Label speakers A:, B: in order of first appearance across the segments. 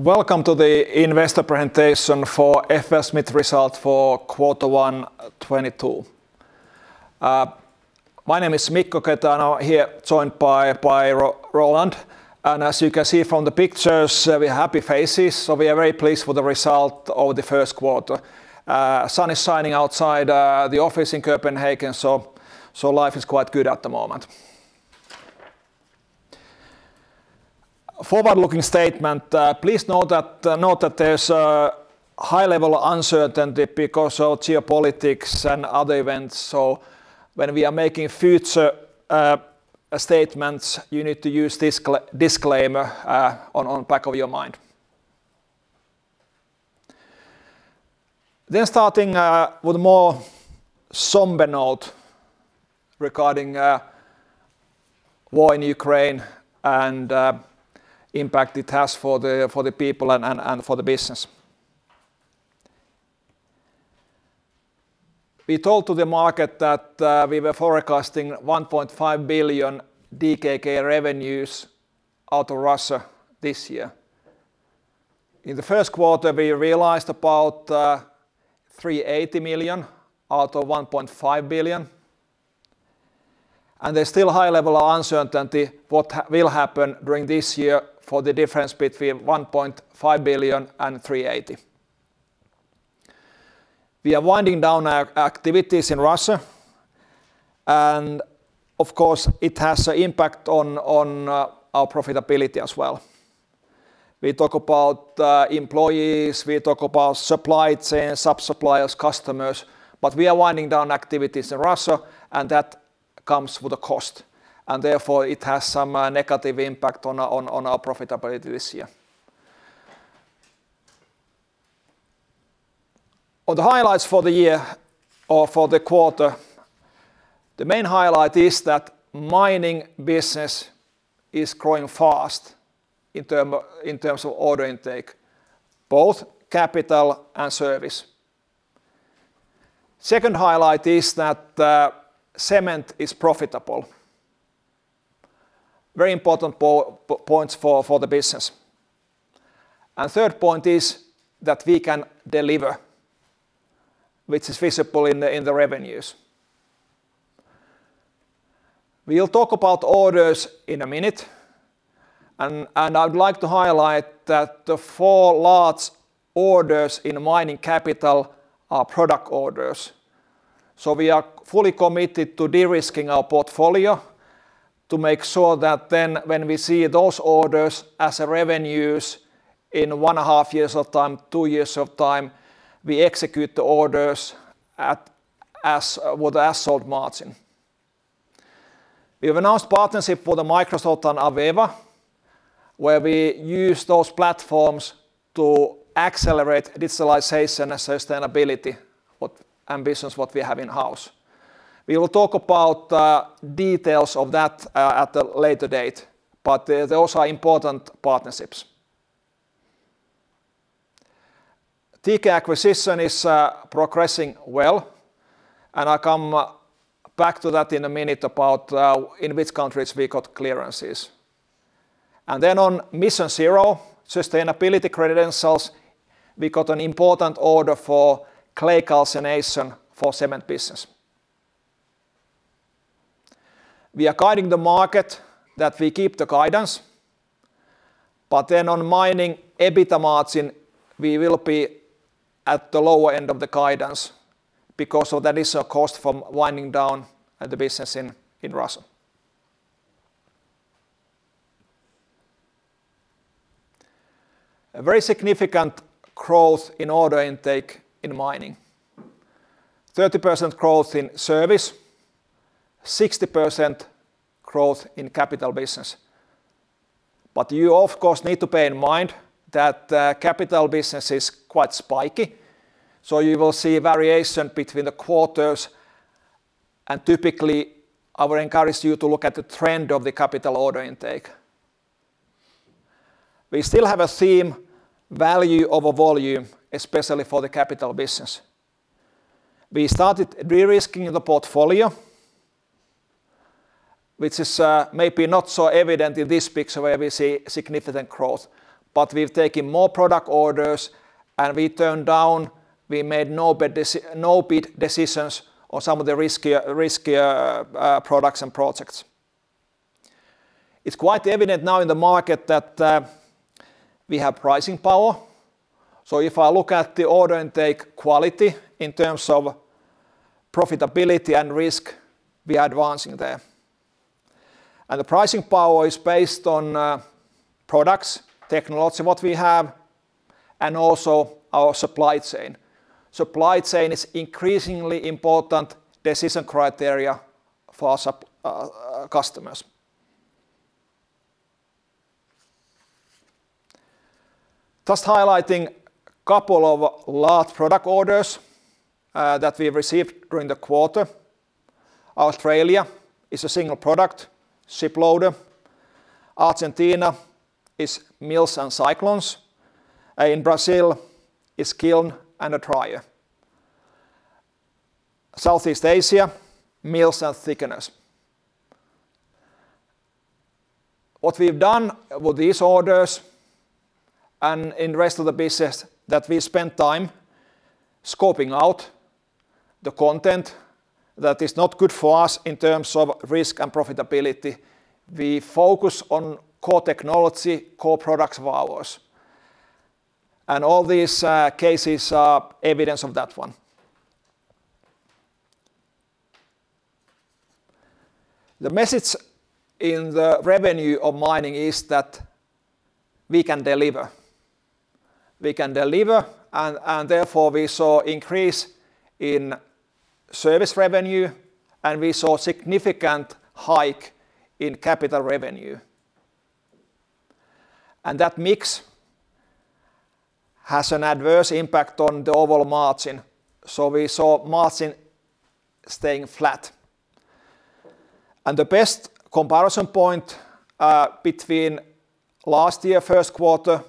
A: Welcome to the investor presentation for FLSmidth result for quarter one 2022. My name is Mikko Keto, here joined by Roland, and as you can see from the pictures, we're happy faces, so we are very pleased with the result of the first quarter. Sun is shining outside the office in Copenhagen, so life is quite good at the moment. Forward-looking statement, please note that there's a high level of uncertainty because of geopolitics and other events. When we are making future statements, you need to use this disclaimer in the back of your mind. Starting with a more somber note regarding war in Ukraine and impact it has for the people and for the business. We told the market that we were forecasting 1.5 billion DKK revenues out of Russia this year. In the first quarter, we realized about 380 million out of 1.5 billion, and there's still a high level of uncertainty what will happen during this year for the difference between 1.5 billion and 380 million. We are winding down our activities in Russia, and of course it has an impact on our profitability as well. We talk about employees, we talk about supply chains, sub-suppliers, customers, but we are winding down activities in Russia, and that comes with a cost. Therefore, it has some negative impact on our profitability this year. On the highlights for the year or for the quarter, the main highlight is that mining business is growing fast in terms of order intake, both capital and service. Second highlight is that, cement is profitable. Very important points for the business. Third point is that we can deliver, which is visible in the revenues. We'll talk about orders in a minute, and I would like to highlight that the four large orders in mining capital are product orders. We are fully committed to de-risking our portfolio to make sure that then when we see those orders as revenues in one and a half years of time, two years of time, we execute the orders with as sold margin. We have announced partnership with Microsoft and AVEVA, where we use those platforms to accelerate digitalization and sustainability, what ambitions we have in-house. We will talk about details of that at a later date, but those are important partnerships. TK acquisition is progressing well, and I come back to that in a minute about in which countries we got clearances. On MissionZero sustainability credentials, we got an important order for clay calcination for cement business. We are guiding the market that we keep the guidance, but then on mining EBITDA margin, we will be at the lower end of the guidance because that is a cost from winding down the business in Russia. A very significant growth in order intake in mining. 30% growth in service, 60% growth in capital business. You of course need to bear in mind that capital business is quite spiky, so you will see variation between the quarters, and typically, I would encourage you to look at the trend of the capital order intake. We still have a theme, value over volume, especially for the capital business. We started de-risking the portfolio, which is maybe not so evident in this picture, where we see significant growth. We've taken more product orders, and we turned down, we made no bid decisions on some of the riskier products and projects. It's quite evident now in the market that we have pricing power. If I look at the order intake quality in terms of profitability and risk, we are advancing there. The pricing power is based on products, technology what we have, and also our supply chain. Supply chain is increasingly important decision criteria for customers. Just highlighting couple of large product orders that we received during the quarter. Australia is a single product, ship loader. Argentina is mills and cyclones. In Brazil is kiln and a dryer. Southeast Asia, mills and thickeners. What we've done with these orders and in rest of the business that we spent time scoping out the content that is not good for us in terms of risk and profitability. We focus on core technology, core products of ours, and all these cases are evidence of that one. The message in the revenue of mining is that we can deliver. We can deliver and therefore we saw increase in service revenue, and we saw significant hike in capital revenue. That mix has an adverse impact on the overall margin. We saw margin staying flat. The best comparison point between last year first quarter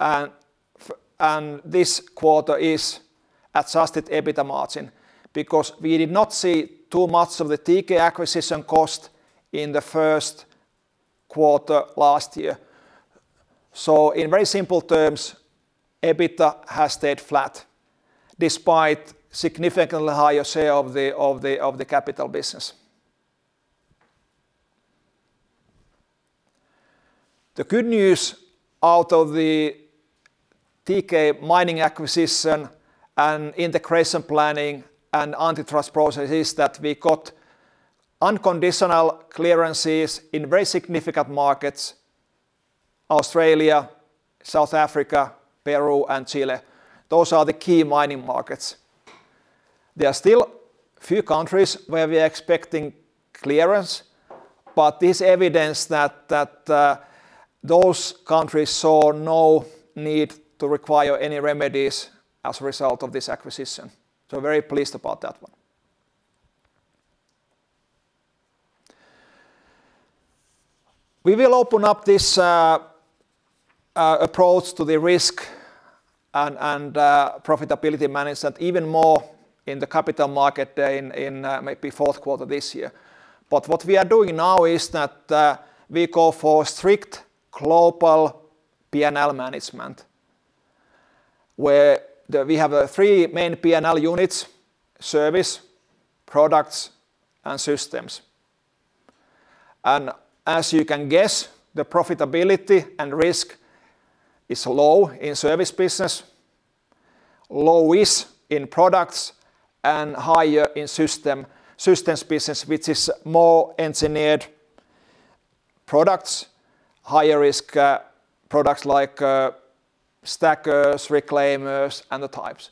A: and this quarter is adjusted EBITDA margin, because we did not see too much of the TK acquisition cost in the first quarter last year. In very simple terms, EBITDA has stayed flat despite significantly higher share of the capital business. The good news out of the TK mining acquisition and integration planning and antitrust process is that we got unconditional clearances in very significant markets: Australia, South Africa, Peru, and Chile. Those are the key mining markets. There are still few countries where we're expecting clearance, but this evidence that those countries saw no need to require any remedies as a result of this acquisition. Very pleased about that one. We will open up this approach to the risk and profitability management even more in the capital market day in maybe fourth quarter this year. What we are doing now is that we go for strict global P&L management, where we have three main P&L units, service, products, and systems. As you can guess, the profitability and risk is low in service business, low-ish in products, and higher in systems business, which is more engineered products, higher risk products like stackers, reclaimers, and the types.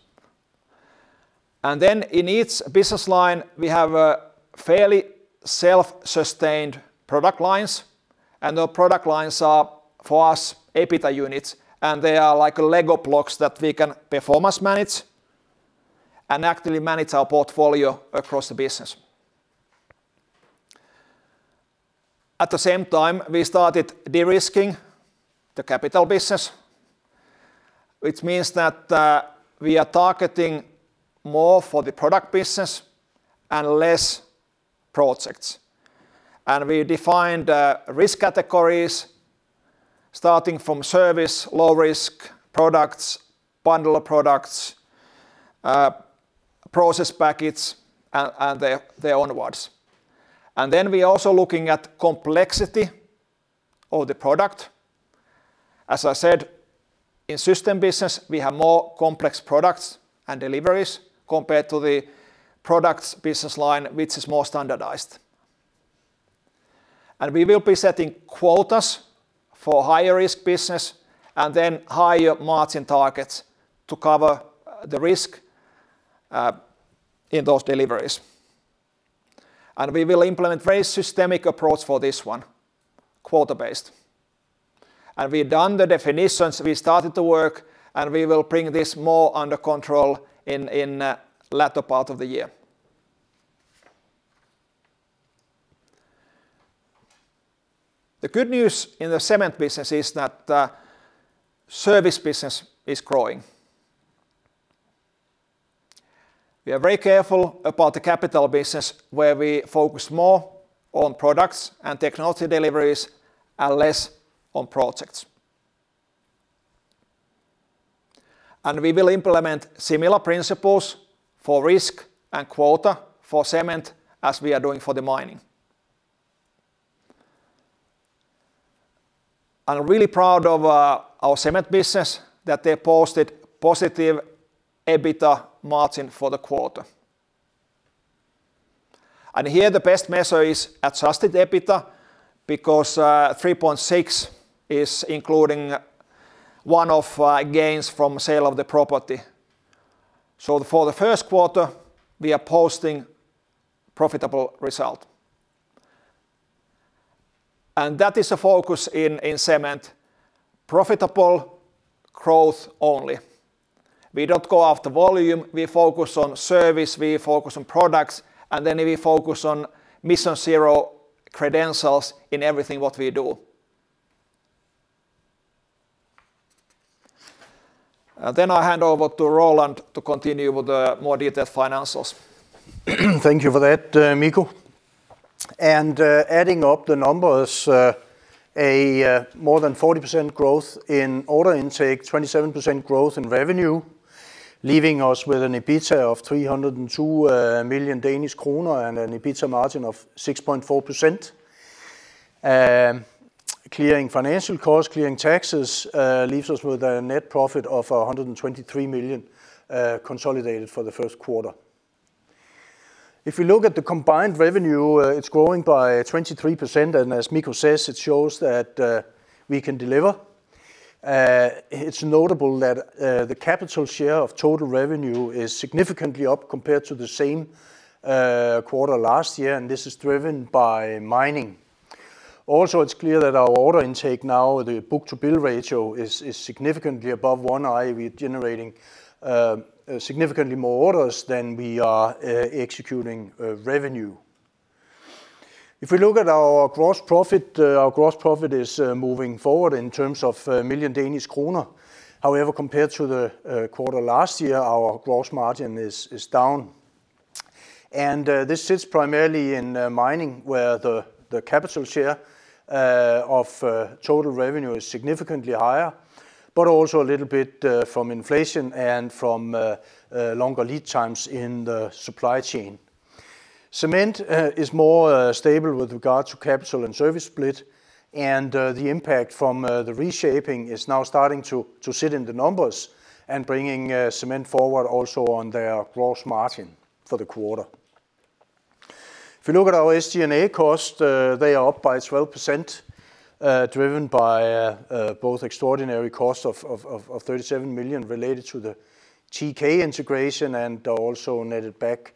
A: Then in each business line, we have a fairly self-sustained product lines, and the product lines are, for us, EBITDA units, and they are like Lego blocks that we can performance manage and actively manage our portfolio across the business. At the same time, we started de-risking the capital business, which means that we are targeting more for the product business and less projects. We defined risk categories starting from service, low risk products, bundle of products, process packets, and the onwards. We're also looking at complexity of the product. As I said, in system business, we have more complex products and deliveries compared to the products business line, which is more standardized. We will be setting quotas for higher risk business and then higher margin targets to cover the risk in those deliveries. We will implement very systematic approach for this one, quota-based. We've done the definitions, we started the work, and we will bring this more under control in latter part of the year. The good news in the cement business is that service business is growing. We are very careful about the capital business, where we focus more on products and technology deliveries and less on projects. We will implement similar principles for risk and quota for cement as we are doing for the mining. I'm really proud of our cement business, that they posted positive EBITDA margin for the quarter. Here, the best measure is adjusted EBITDA because 3.6% is including one-off gains from sale of the property. For the first quarter, we are posting profitable result. That is a focus in cement, profitable growth only. We don't go after volume. We focus on service, we focus on products, and then we focus on MissionZero credentials in everything what we do. Then I hand over to Roland to continue with the more detailed financials.
B: Thank you for that, Mikko. Adding up the numbers, a more than 40% growth in order intake, 27% growth in revenue, leaving us with an EBITDA of 302 million Danish kroner and an EBITDA margin of 6.4%. Clearing financial costs, clearing taxes, leaves us with a net profit of 123 million, consolidated for the first quarter. If we look at the combined revenue, it's growing by 23%, and as Mikko says, it shows that, we can deliver. It's notable that, the capital share of total revenue is significantly up compared to the same, quarter last year, and this is driven by mining. Also, it's clear that our order intake now, the book-to-bill ratio is significantly above one. We're generating significantly more orders than we are executing revenue. If we look at our gross profit, our gross profit is moving forward in terms of million Danish krone. However, compared to the quarter last year, our gross margin is down. This sits primarily in mining, where the capital share of total revenue is significantly higher, but also a little bit from inflation and from longer lead times in the supply chain. Cement is more stable with regard to capital and service split, and the impact from the reshaping is now starting to sit in the numbers and bringing cement forward also on their gross margin for the quarter. If you look at our SG&A costs, they are up by 12%, driven by both extraordinary costs of 37 million related to the TK integration and also netted back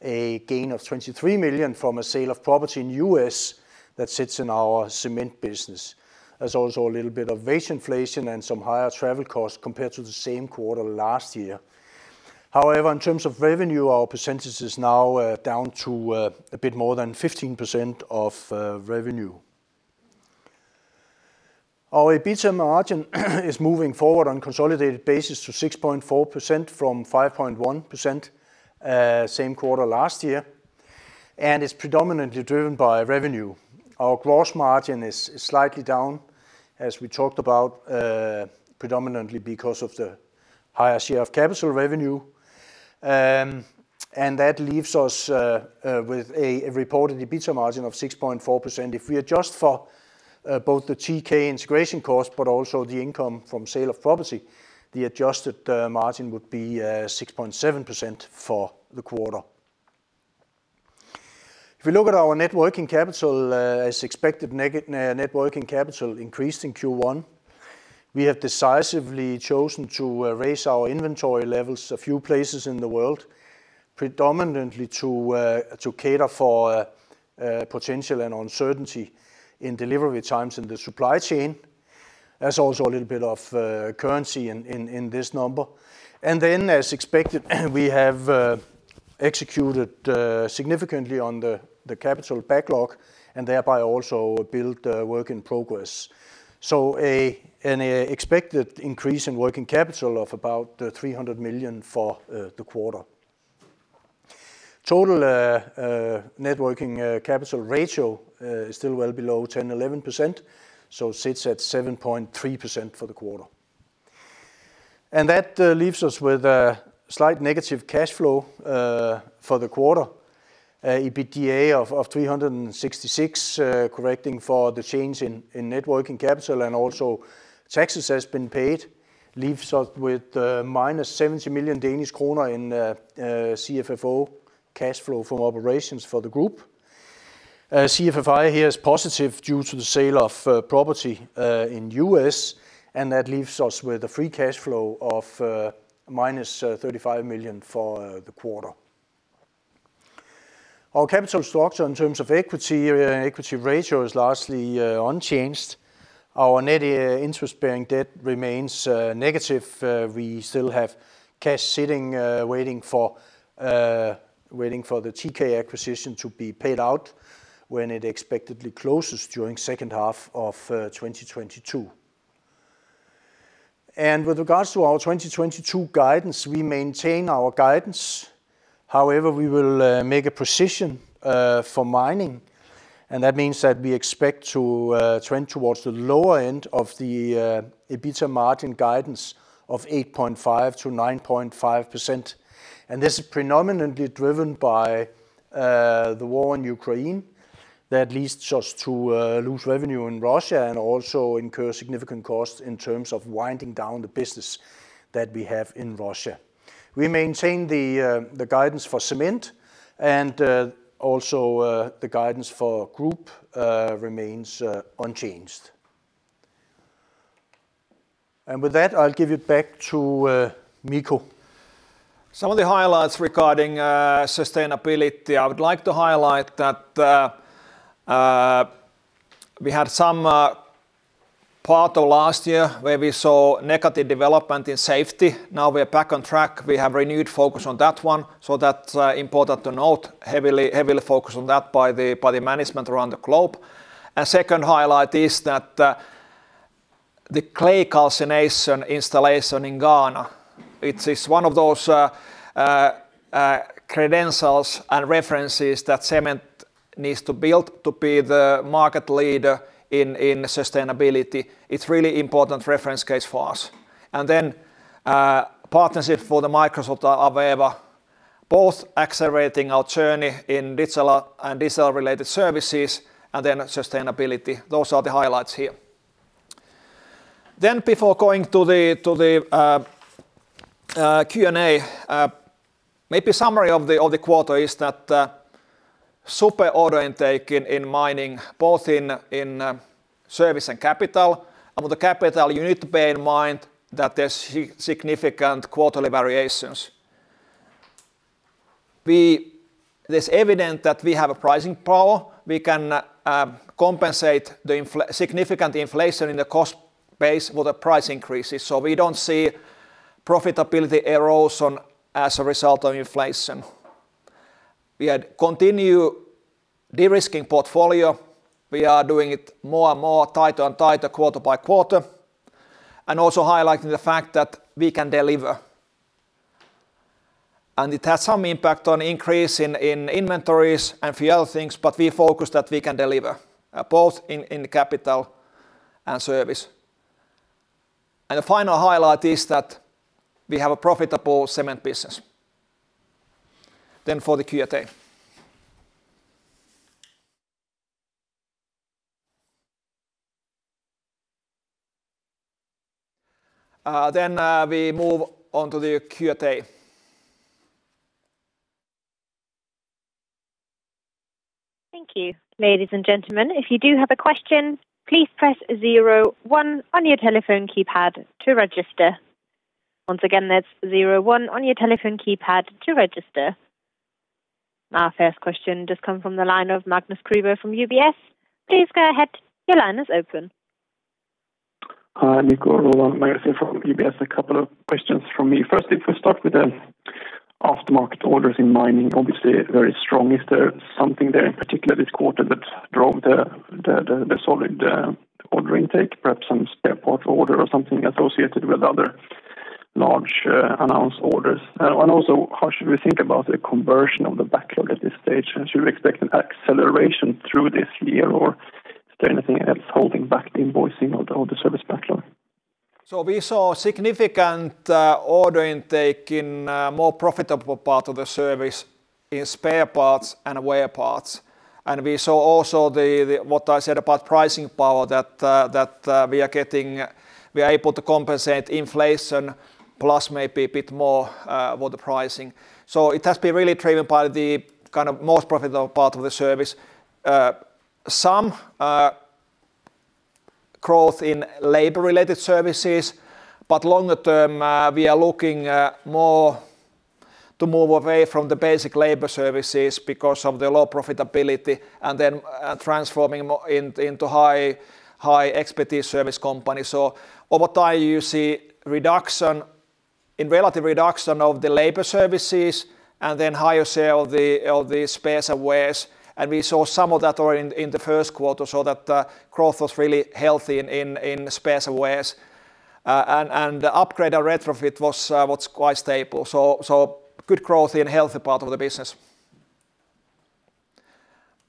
B: a gain of 23 million from a sale of property in the U.S. that sits in our cement business. There's also a little bit of wage inflation and some higher travel costs compared to the same quarter last year. However, in terms of revenue, our percentage is now down to a bit more than 15% of revenue. Our EBITDA margin is moving forward on consolidated basis to 6.4% from 5.1%, same quarter last year, and it's predominantly driven by revenue. Our gross margin is slightly down, as we talked about, predominantly because of the higher share of capital revenue. That leaves us with a reported EBITDA margin of 6.4%. If we adjust for both the TK integration cost, but also the income from sale of property, the adjusted margin would be 6.7% for the quarter. If we look at our net working capital, as expected, net working capital increased in Q1. We have decisively chosen to raise our inventory levels a few places in the world, predominantly to cater for potential and uncertainty in delivery times in the supply chain. There's also a little bit of currency in this number. Then, as expected, we have executed significantly on the capital backlog and thereby also built work in progress. Expected increase in working capital of about 300 million for the quarter. Total net working capital ratio is still well below 10%-11%, so sits at 7.3% for the quarter. That leaves us with a slight negative cash flow for the quarter. EBITDA of 366 million, correcting for the change in net working capital and also taxes has been paid, leaves us with -70 million Danish kroner in CFFO, cash flow from operations for the group. CFFI here is positive due to the sale of property in U.S., and that leaves us with a free cash flow of -35 million for the quarter. Our capital structure in terms of equity ratio is largely unchanged. Our net interest-bearing debt remains negative. We still have cash sitting waiting for the TK acquisition to be paid out when it expectedly closes during second half of 2022. With regards to our 2022 guidance, we maintain our guidance. However, we will make a precision for mining, and that means that we expect to trend towards the lower end of the EBITDA margin guidance of 8.5%-9.5%. This is predominantly driven by the war in Ukraine that leads us to lose revenue in Russia and also incur significant costs in terms of winding down the business that we have in Russia. We maintain the guidance for cement and also the guidance for group remains unchanged. With that, I'll give it back to Mikko.
A: Some of the highlights regarding sustainability. I would like to highlight that we had some part of last year where we saw negative development in safety. Now we are back on track. We have renewed focus on that one, so that's important to note. Heavily focused on that by the management around the globe. A second highlight is that the Clay calcination installation in Ghana. It's one of those credentials and references that cement needs to build to be the market leader in sustainability. It's really important reference case for us. And then partnership for the Microsoft and AVEVA, both accelerating our journey in digital and digital related services and then sustainability. Those are the highlights here. Before going to the Q&A, maybe a summary of the quarter is that super order intake in mining, both in service and capital. With the capital, you need to bear in mind that there's significant quarterly variations. It's evident that we have a pricing power. We can compensate for significant inflation in the cost base with the price increases. We don't see profitability erosion as a result of inflation. We had continue de-risking portfolio. We are doing it more and more tighter and tighter quarter by quarter, and also highlighting the fact that we can deliver. It has some impact on increase in inventories and a few other things, but we focus that we can deliver both in the capital and service. The final highlight is that we have a profitable cement business. For the Q&A. We move on to the Q&A.
C: Thank you. Ladies and gentlemen, if you do have a question, please press zero one on your telephone keypad to register. Once again, that's zero one on your telephone keypad to register. Our first question just come from the line of Magnus Kruber from UBS. Please go ahead. Your line is open.
D: Hi, Mikko. Roland, Magnus here from UBS. A couple of questions from me. First, if we start with the aftermarket orders in mining, obviously very strong. Is there something there in particular this quarter that drove the solid order intake? Perhaps some spare part order or something associated with other large announced orders. And also, how should we think about the conversion of the backlog at this stage? And should we expect an acceleration through this year, or is there anything else holding back the invoicing of the orders and services backlog?
A: We saw significant order intake in a more profitable part of the service in spare parts and wear parts. We saw also what I said about pricing power that we are able to compensate inflation plus maybe a bit more about the pricing. It has been really driven by the kind of most profitable part of the service. Some growth in labor-related services, but longer term, we are looking more to move away from the basic labor services because of the low profitability and then transforming more into high expertise service company. Over time, you see a relative reduction of the labor services and then higher sale of the spares and wears. We saw some of that already in the first quarter. Growth was really healthy in spares and wears. The upgrade or retrofit was quite stable. Good growth in healthy part of the business.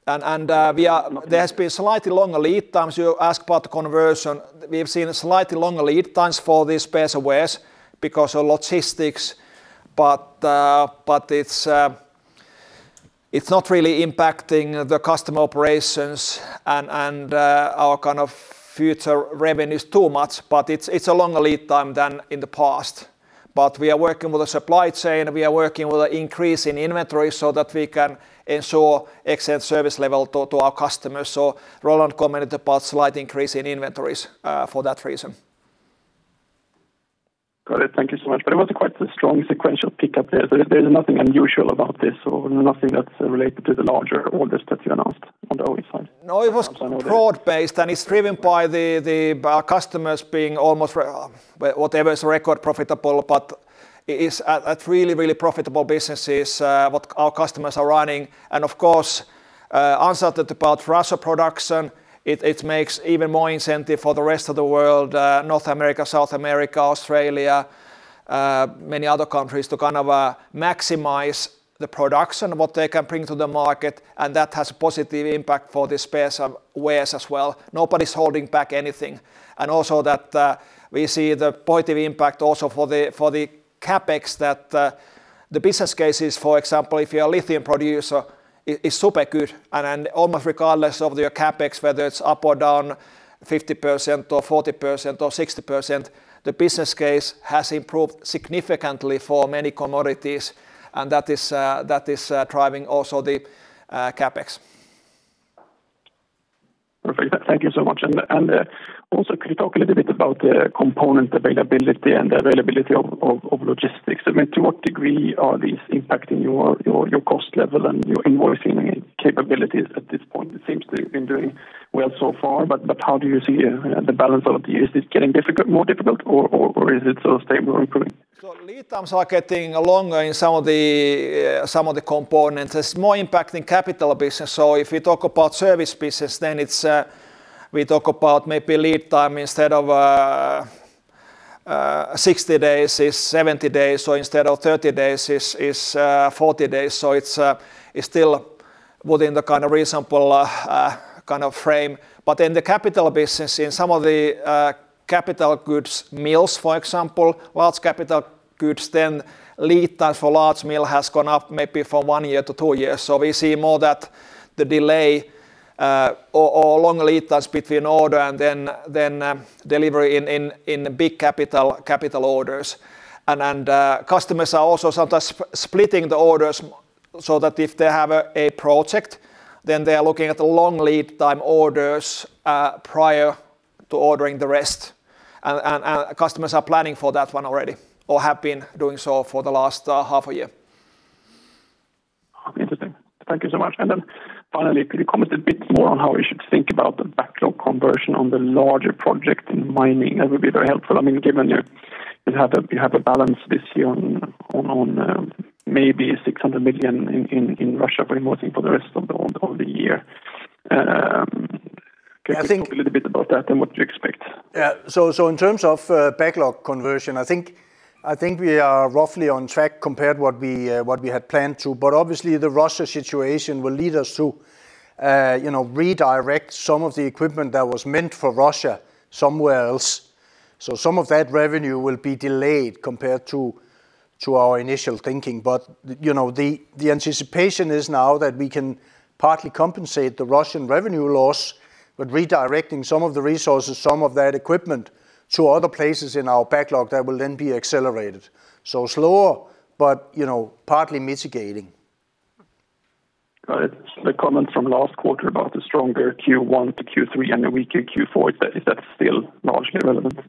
A: There's been slightly longer lead times. You asked about the conversion. We've seen slightly longer lead times for these spares and wears because of logistics. It's not really impacting the customer operations and our kind of future revenues too much, but it's a longer lead time than in the past. We are working with the supply chain, we are working with the increase in inventory so that we can ensure excellent service level to our customers. Roland commented about slight increase in inventories for that reason.
D: Got it. Thank you so much. It was quite a strong sequential pickup there. There's nothing unusual about this or nothing that's related to the larger orders that you announced on the OE side?
A: No, it was broad-based, and it's driven by our customers being whatever is record profitable, but it is at really profitable businesses what our customers are running. Of course, uncertain about Russian production, it makes even more incentive for the rest of the world, North America, South America, Australia, many other countries to kind of maximize the production what they can bring to the market, and that has positive impact for the spares and wears as well. Nobody's holding back anything. We see the positive impact also for the CapEx that the business case is, for example, if you're a Lithium producer, super good and almost regardless of your CapEx, whether it's up or down 50% or 40% or 60%, the business case has improved significantly for many commodities, and that is driving also the CapEx.
D: Perfect. Thank you so much. Also, could you talk a little bit about the component availability and the availability of logistics? I mean, to what degree are these impacting your cost level and your invoicing capabilities at this point? It seems to have been doing well so far, but how do you see the balance of the year? Is this getting difficult, more difficult, or is it sort of stable or improving?
A: Lead times are getting longer in some of the components. It's more impacting capital business, so if you talk about service business, then we talk about maybe lead time instead of 60 days is 70 days, or instead of 30 days is 40 days. It's still within the kind of reasonable kind of frame. In the capital business, in some of the capital goods mills, for example, large capital goods, then lead time for large mill has gone up maybe from one year to two years. We see more that the delay or long lead times between order and then delivery in the big capital orders. Customers are also sometimes splitting the orders so that if they have a project, then they are looking at the long lead time orders prior to ordering the rest. Customers are planning for that one already, or have been doing so for the last half a year.
D: Interesting. Thank you so much. Then finally, could you comment a bit more on how we should think about the backlog conversion on the larger project in mining? That would be very helpful. I mean, given you have a balance this year on maybe 600 million in Russia, but I'm asking for the rest of the year. Could you just talk a little bit about that and what you expect
B: Yeah. In terms of backlog conversion, I think we are roughly on track compared to what we had planned to. Obviously the Russia situation will lead us to you know redirect some of the equipment that was meant for Russia somewhere else. Some of that revenue will be delayed compared to our initial thinking. You know the anticipation is now that we can partly compensate the Russian revenue loss with redirecting some of the resources, some of that equipment to other places in our backlog that will then be accelerated. Slower, but you know partly mitigating.
D: Got it. The comment from last quarter about the stronger Q1 to Q3 and the weaker Q4, is that still largely relevant?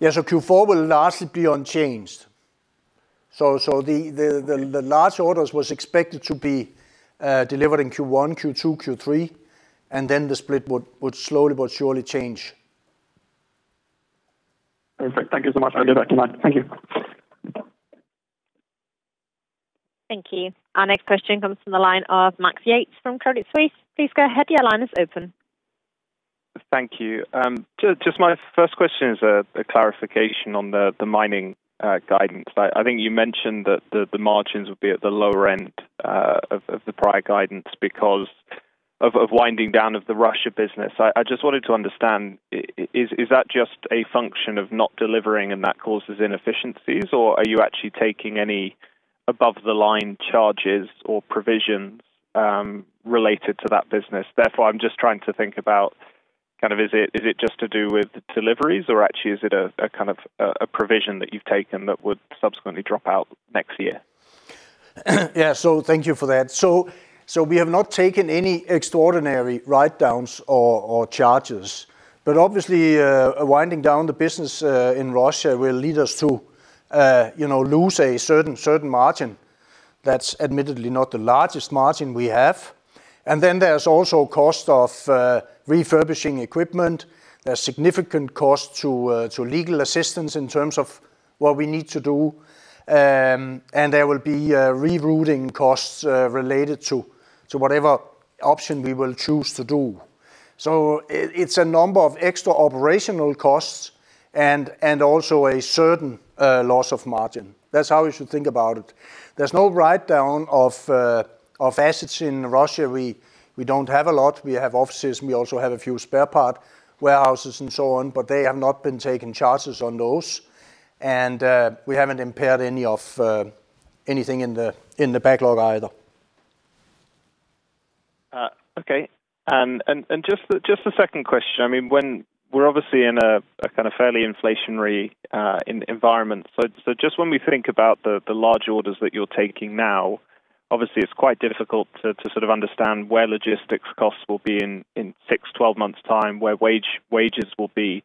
B: Yeah. Q4 will largely be unchanged. The large orders was expected to be delivered in Q1, Q2, Q3, and then the split would slowly but surely change.
D: Perfect. Thank you so much. I'll give it back to Matt. Thank you.
C: Thank you. Our next question comes from the line of Max Yates from Credit Suisse. Please go ahead. Your line is open.
E: Thank you. Just my first question is a clarification on the mining guidance. I think you mentioned that the margins would be at the lower end of the prior guidance because of winding down of the Russia business. I just wanted to understand, is that just a function of not delivering and that causes inefficiencies? Or are you actually taking any above the line charges or provisions related to that business? Therefore, I'm just trying to think about kind of is it just to do with the deliveries or actually is it a kind of provision that you've taken that would subsequently drop out next year?
B: Thank you for that. We have not taken any extraordinary write-downs or charges. Obviously, winding down the business in Russia will lead us to lose a certain margin. That's admittedly not the largest margin we have. Then there's also cost of refurbishing equipment. There's significant cost to legal assistance in terms of what we need to do. There will be rerouting costs related to whatever option we will choose to do. It's a number of extra operational costs and also a certain loss of margin. That's how we should think about it. There's no write-down of assets in Russia. We don't have a lot. We have offices, and we also have a few spare part warehouses and so on, but they have not been taking charges on those. We haven't impaired any of anything in the backlog either.
E: Okay. Just a second question. I mean, when we're obviously in a kind of fairly inflationary environment. Just when we think about the large orders that you're taking now, obviously it's quite difficult to sort of understand where logistics costs will be in 6-12 months' time, where wages will be.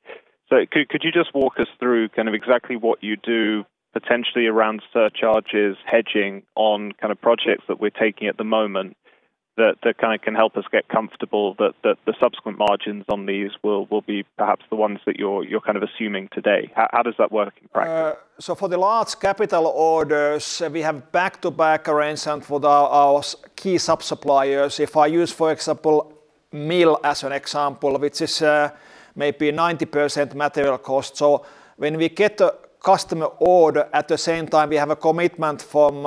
E: Could you just walk us through kind of exactly what you do potentially around surcharges, hedging on kind of projects that we're taking at the moment that kind of can help us get comfortable that the subsequent margins on these will be perhaps the ones that you're kind of assuming today? How does that work in practice?
A: For the large capital orders, we have back-to-back arrangements with our key sub-suppliers. If I use, for example, mill as an example, which is maybe 90% material cost. When we get a customer order, at the same time we have a commitment from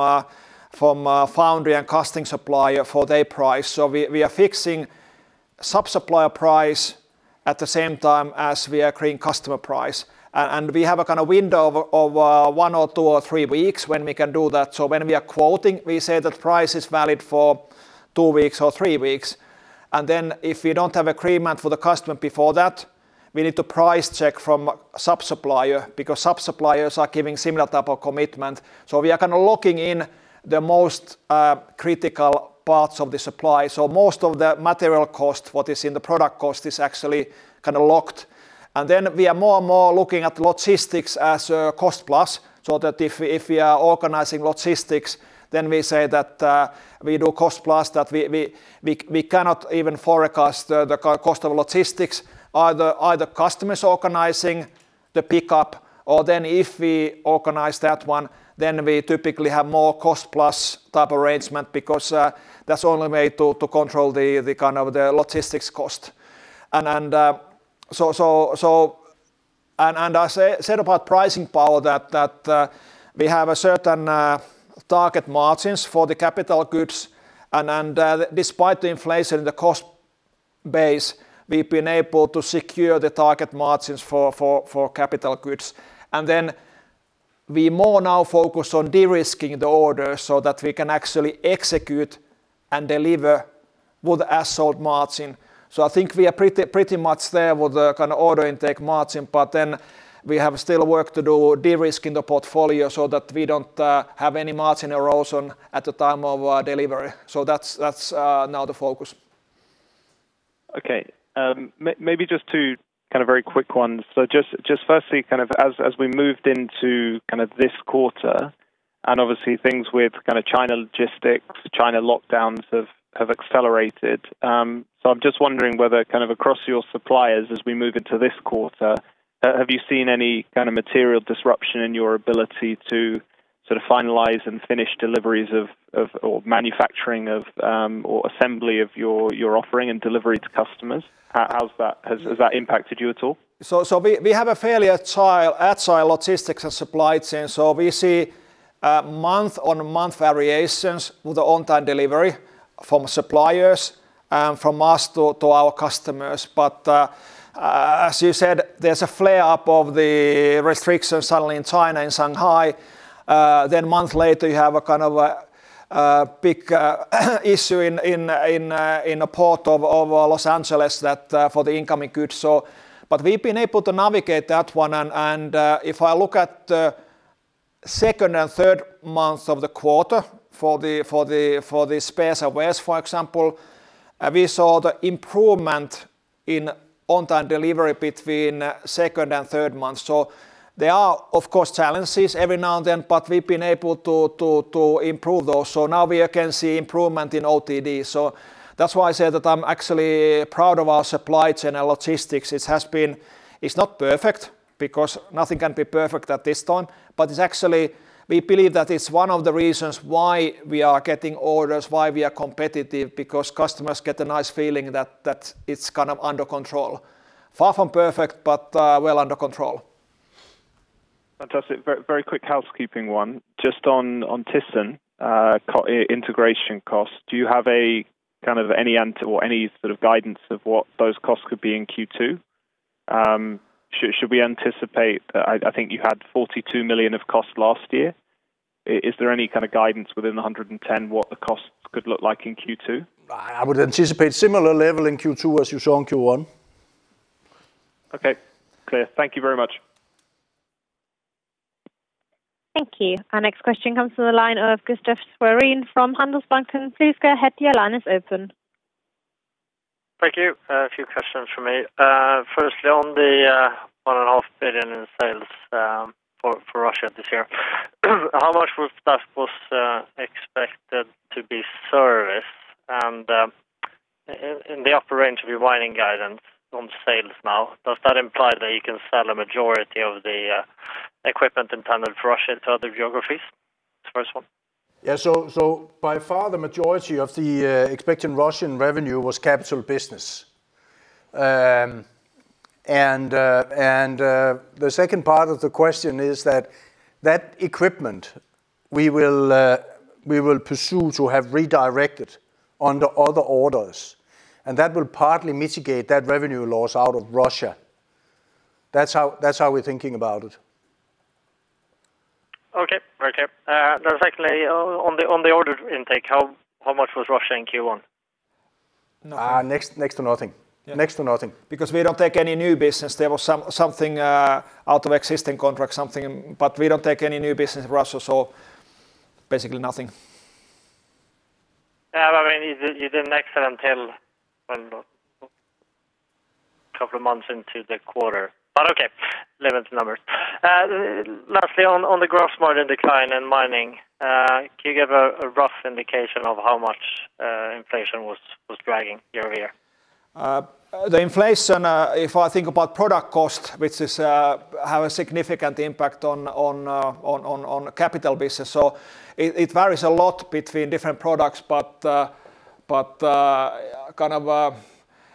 A: foundry and casting supplier for their price. We are fixing sub-supplier price at the same time as we are creating customer price. We have a kind of window of one or two or three weeks when we can do that. When we are quoting, we say that price is valid for two weeks or three weeks. If we don't have agreement for the customer before that, we need to price check from sub-supplier because sub-suppliers are giving similar type of commitment. We are kind of locking in the most critical parts of the supply. Most of the material cost, what is in the product cost, is actually kind of locked. Then we are more and more looking at logistics as cost plus, so that if we are organizing logistics, then we say that we do cost plus, that we cannot even forecast the cost of logistics. Either customer is organizing The pickup or then if we organize that one, then we typically have more cost-plus type arrangement because that's the only way to control the kind of the logistics cost. I said about pricing power that we have a certain target margins for the capital goods and despite the inflation in the cost base, we've been able to secure the target margins for capital goods. We more now focus on de-risking the order so that we can actually execute and deliver with the as sold margin. I think we are pretty much there with the kind of order intake margin, but then we have still work to do de-risking the portfolio so that we don't have any margin erosion at the time of delivery. That's now the focus.
E: Okay. Maybe just two kind of very quick ones. Just firstly, kind of as we moved into kind of this quarter and obviously things with kind of China logistics, China lockdowns have accelerated, so I'm just wondering whether kind of across your suppliers as we move into this quarter, have you seen any kind of material disruption in your ability to sort of finalize and finish deliveries of, or manufacturing of, or assembly of your offering and delivery to customers? How's that? Has that impacted you at all?
A: We have a fairly agile logistics and supply chain. We see month-on-month variations with the on-time delivery from suppliers from us to our customers. As you said, there's a flare up of the restrictions suddenly in China, in Shanghai. Then a month later you have a kind of a big issue in the port of Los Angeles that for the incoming goods. We've been able to navigate that one. If I look at second and third months of the quarter for the spares and wears, for example, we saw the improvement in on-time delivery between second and third months. There are of course challenges every now and then, but we've been able to to improve those. Now we again see improvement in OTD. That's why I said that I'm actually proud of our supply chain and logistics. It has been. It's not perfect because nothing can be perfect at this time, but it's actually we believe that it's one of the reasons why we are getting orders, why we are competitive, because customers get a nice feeling that that it's kind of under control. Far from perfect, but well under control.
E: Fantastic. Very, very quick housekeeping one just on thyssenkrupp integration costs. Do you have any kind of idea or any sort of guidance on what those costs could be in Q2? Should we anticipate, I think you had 42 million in costs last year. Is there any kind of guidance within the 110 million what the costs could look like in Q2?
B: I would anticipate similar level in Q2 as you saw in Q1.
E: Okay. Clear. Thank you very much.
C: Thank you. Our next question comes from the line of Gustaf Schwerin from Handelsbanken. Please go ahead, your line is open.
F: Thank you. A few questions from me. Firstly on the 1.5 billion in sales for Russia this year. How much of that was expected to be serviced? In the upper range of your guidance on sales now, does that imply that you can sell a majority of the equipment intended for Russia to other geographies? That's the first one.
B: Yeah. By far the majority of the expected Russian revenue was capital business. The second part of the question is that equipment we will pursue to have redirected under other orders, and that will partly mitigate that revenue loss out of Russia. That's how we're thinking about it.
F: Okay. Very clear. Secondly, on the order intake, how much was Russia in Q1?
A: Next to nothing. Yeah. Next to nothing, because we don't take any new business. There was something out of existing contract, but we don't take any new business in Russia, so basically nothing.
F: Yeah. I mean, you did an excellent deal a couple of months into the quarter, but okay. Limit the numbers. Lastly, on the gross margin decline in mining, can you give a rough indication of how much inflation was dragging year-over-year?
A: The inflation, if I think about product cost, which has a significant impact on capital business. It varies a lot between different products. Kind of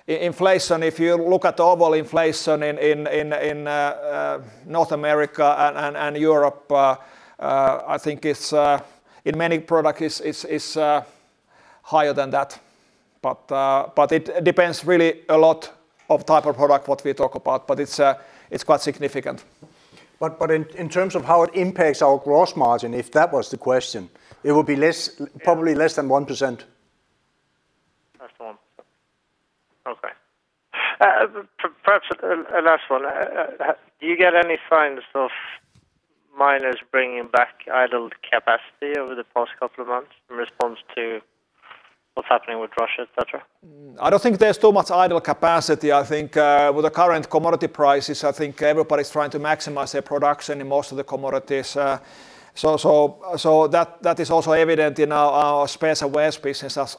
A: inflation, if you look at overall inflation in North America and Europe, I think it's in many products is higher than that. It depends really a lot on type of product, what we talk about, but it's quite significant. in terms of how it impacts our gross margin, if that was the question, it would be less, probably less than 1%.
F: That's the one. Okay. Perhaps a last one. Do you get any signs of miners bringing back idled capacity over the past couple of months in response to- What's happening with Russia, et cetera?
A: I don't think there's too much idle capacity. I think with the current commodity prices, I think everybody's trying to maximize their production in most of the commodities. That is also evident in our spares and wears business as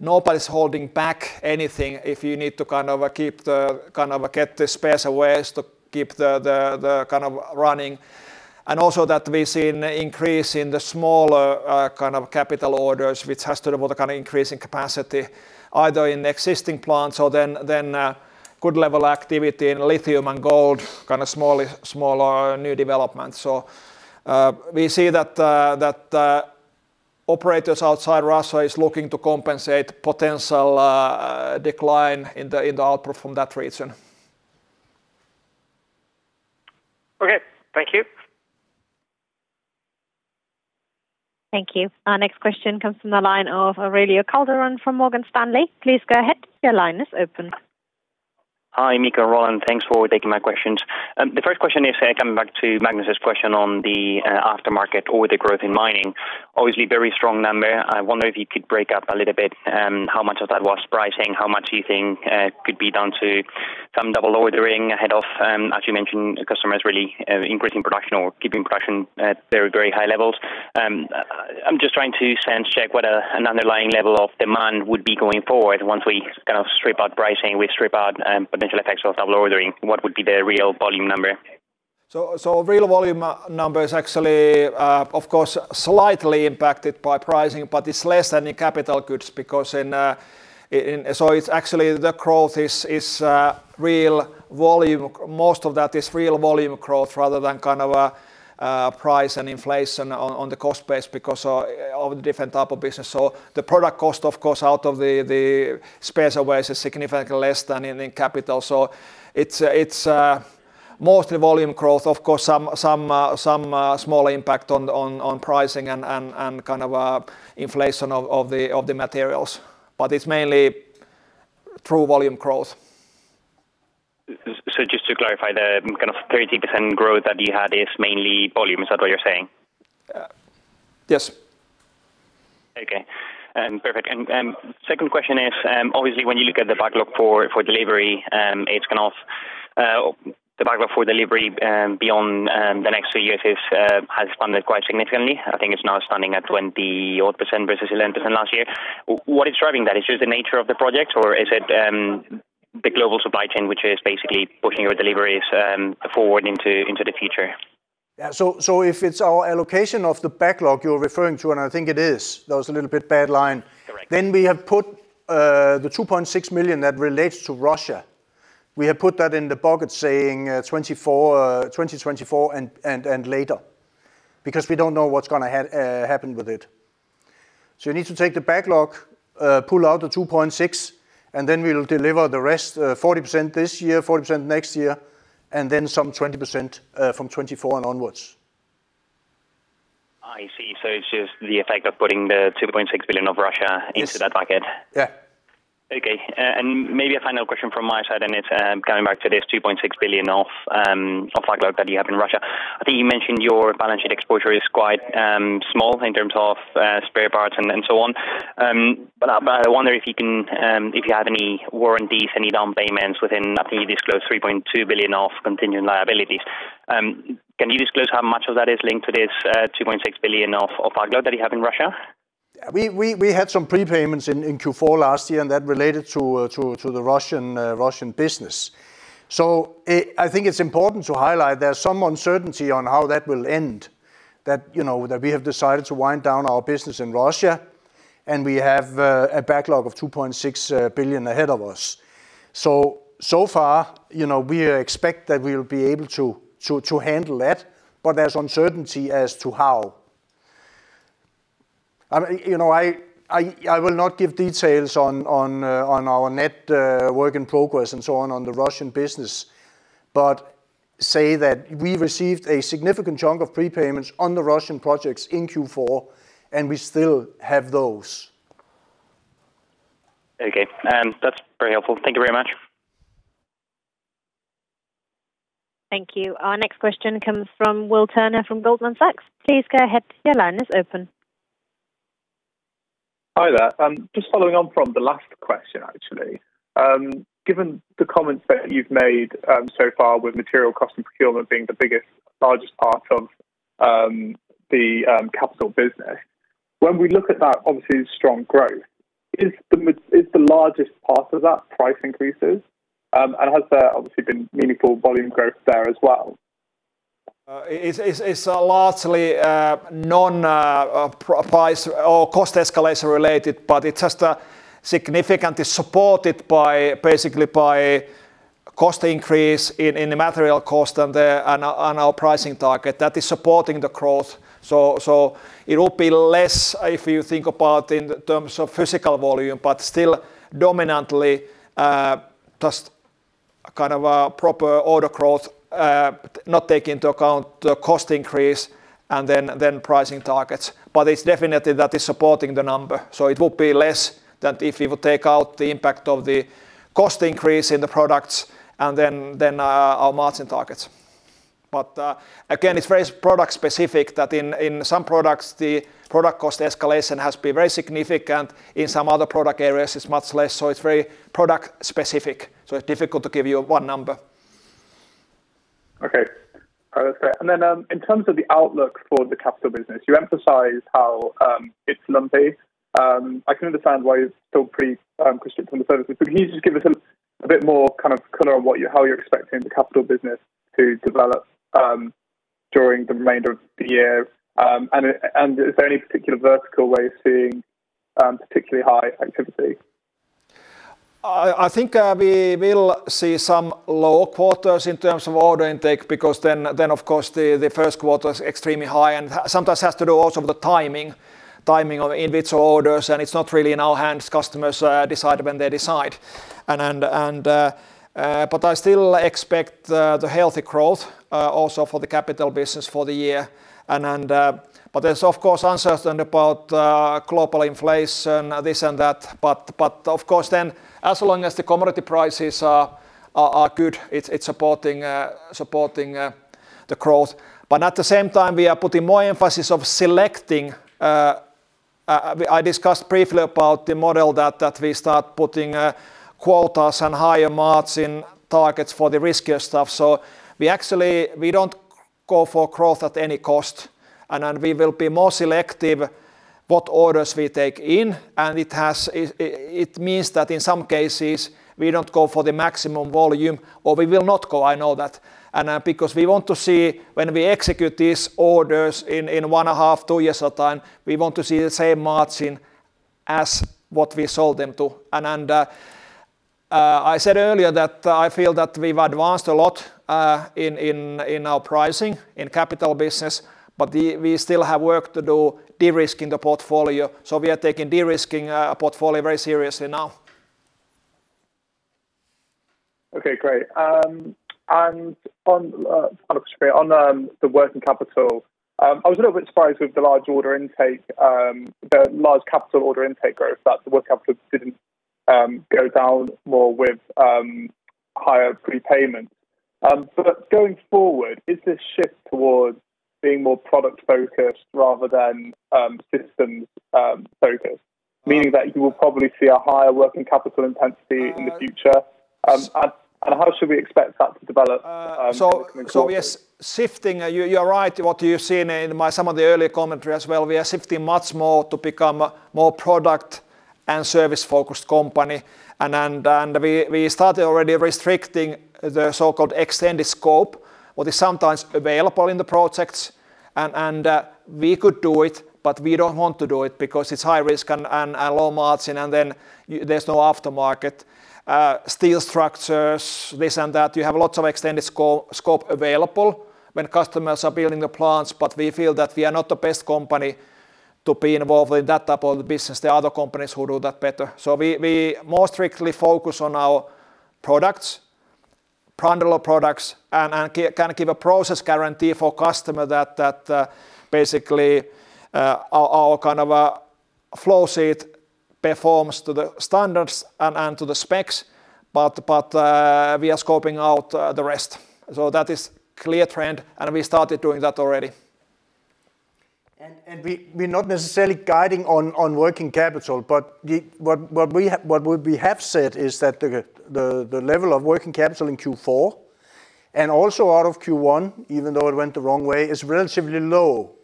A: nobody's holding back anything if you need to get the spares and wears to keep the running. That we see an increase in the smaller kind of capital orders, which has to do with the kind of increase in capacity either in existing plants or then good level activity in Lithium and Gold, kind of small, smaller new developments. We see that operators outside Russia is looking to compensate potential decline in the output from that region.
F: Okay. Thank you.
C: Thank you. Our next question comes from the line of Aurelio Calderon from Morgan Stanley. Please go ahead. Your line is open.
G: Hi, Mikko and Roland. Thanks for taking my questions. The first question is coming back to Magnus' question on the aftermarket or the growth in mining. Obviously, very strong number. I wonder if you could break down a little bit how much of that was pricing, how much do you think could be down to some double ordering ahead of, as you mentioned, the customers really increasing production or keeping production at very, very high levels. I'm just trying to sense check what an underlying level of demand would be going forward once we kind of strip out pricing, we strip out potential effects of double ordering, what would be the real volume number?
A: Real volume number is actually, of course, slightly impacted by pricing, but it's less than the capital goods because. It's actually the growth is real volume. Most of that is real volume growth rather than kind of a price and inflation on the cost base because of the different type of business. The product cost, of course, out of the spares and wears is significantly less than in capital. It's mostly volume growth. Of course, some small impact on pricing and kind of inflation of the materials. It's mainly through volume growth.
G: Just to clarify, the kind of 30% growth that you had is mainly volume. Is that what you're saying?
A: Yes.
G: Okay. Perfect. Second question is, obviously, when you look at the backlog for delivery beyond the next two years has grown quite significantly. I think it's now standing at 20-odd% versus 11% last year. What is driving that? Is it just the nature of the project or is it the global supply chain, which is basically pushing your deliveries forward into the future?
B: Yeah. If it's our allocation of the backlog you're referring to, and I think it is. There was a little bit bad line.
G: Correct.
B: We have put the 2.6 million that relates to Russia. We have put that in the bucket saying 2024 and later because we don't know what's gonna happen with it. You need to take the backlog, pull out the 2.6 million, and then we'll deliver the rest, 40% this year, 40% next year, and then some 20%, from 2024 and onwards.
G: I see. It's just the effect of putting the 2.6 billion of Russia.
B: Yes...
G: into that bucket.
B: Yeah.
G: Okay. Maybe a final question from my side, and it's coming back to this 2.6 billion of backlog that you have in Russia. I think you mentioned your balance sheet exposure is quite small in terms of spare parts and so on. I wonder if you can, if you have any warranties, any down payments within. I think you disclosed 3.2 billion of continuing liabilities. Can you disclose how much of that is linked to this 2.6 billion of backlog that you have in Russia?
B: Yeah. We had some prepayments in Q4 last year, and that related to the Russian business. I think it's important to highlight there's some uncertainty on how that will end, that you know that we have decided to wind down our business in Russia, and we have a backlog of 2.6 billion ahead of us. So far, you know, we expect that we'll be able to handle that, but there's uncertainty as to how. You know, I will not give details on our net work in progress and so on on the Russian business, but say that we received a significant chunk of prepayments on the Russian projects in Q4, and we still have those.
G: Okay. That's very helpful. Thank you very much.
C: Thank you. Our next question comes from William Turner from Goldman Sachs. Please go ahead. Your line is open.
H: Hi there. Just following on from the last question, actually. Given the comments that you've made, so far with material cost and procurement being the biggest, largest part of the capital business, when we look at that obviously strong growth, is the largest part of that price increases? And has there obviously been meaningful volume growth there as well?
A: It's largely non-price or cost escalation related, but it's just significantly supported by, basically by cost increase in the material cost and our pricing target. That is supporting the growth. It will be less if you think about in terms of physical volume, but still dominantly just kind of a proper order growth, not take into account the cost increase and then pricing targets. It's definitely that is supporting the number. It would be less than if you would take out the impact of the cost increase in the products and then our margin targets. Again, it's very product specific that in some products, the product cost escalation has been very significant. In some other product areas, it's much less. It's very product specific, so it's difficult to give you one number.
H: Okay. That's fair. Then, in terms of the outlook for the capital business, you emphasized how it's lumpy. I can understand why you're still pretty cautious on the services. Can you just give us a bit more kind of color on how you're expecting the capital business to develop during the remainder of the year? Is there any particular vertical where you're seeing particularly high activity?
A: I think we will see some lower quarters in terms of order intake, because of course the first quarter is extremely high and sometimes has to do also with the timing of individual orders, and it's not really in our hands. Customers decide when they decide. But I still expect the healthy growth also for the capital business for the year. But there's of course uncertainty about global inflation, this and that. Of course then as long as the commodity prices are good, it's supporting the growth. But at the same time, we are putting more emphasis of selecting. I discussed briefly about the model that we start putting quotas and higher margin targets for the riskier stuff. We actually don't go for growth at any cost, and we will be more selective what orders we take in, and it means that in some cases, we don't go for the maximum volume or we will not go. I know that. Because we want to see when we execute these orders in 1.5-2 years' time, we want to see the same margin as what we sold them to. I said earlier that I feel that we've advanced a lot in our pricing in capital business. We still have work to do de-risking the portfolio. We are taking de-risking portfolio very seriously now.
H: Okay, great. On the final question. On the working capital, I was a little bit surprised with the large order intake, the large capital order intake growth, that the working capital didn't go down more with higher prepayment. Going forward, is this shift towards being more product-focused rather than systems focused, meaning that you will probably see a higher working capital intensity in the future? How should we expect that to develop going forward?
A: We are shifting. You're right. What you've seen in my some of the earlier commentary as well, we are shifting much more to become more product and service-focused company. We started already restricting the so-called extended scope, what is sometimes available in the projects. We could do it, but we don't want to do it because it's high risk and low margin, and then there's no aftermarket. Steel structures, this and that, you have lots of extended scope available when customers are building the plants. We feel that we are not the best company to be involved with that type of business. There are other companies who do that better. We more strictly focus on our products, bundle of products, and kind of give a process guarantee for customer that basically our kind of flow sheet performs to the standards and to the specs. We are scoping out the rest. That is clear trend, and we started doing that already.
B: We're not necessarily guiding on working capital, but what we have said is that the level of working capital in Q4 and also out of Q1, even though it went the wrong way, is relatively low.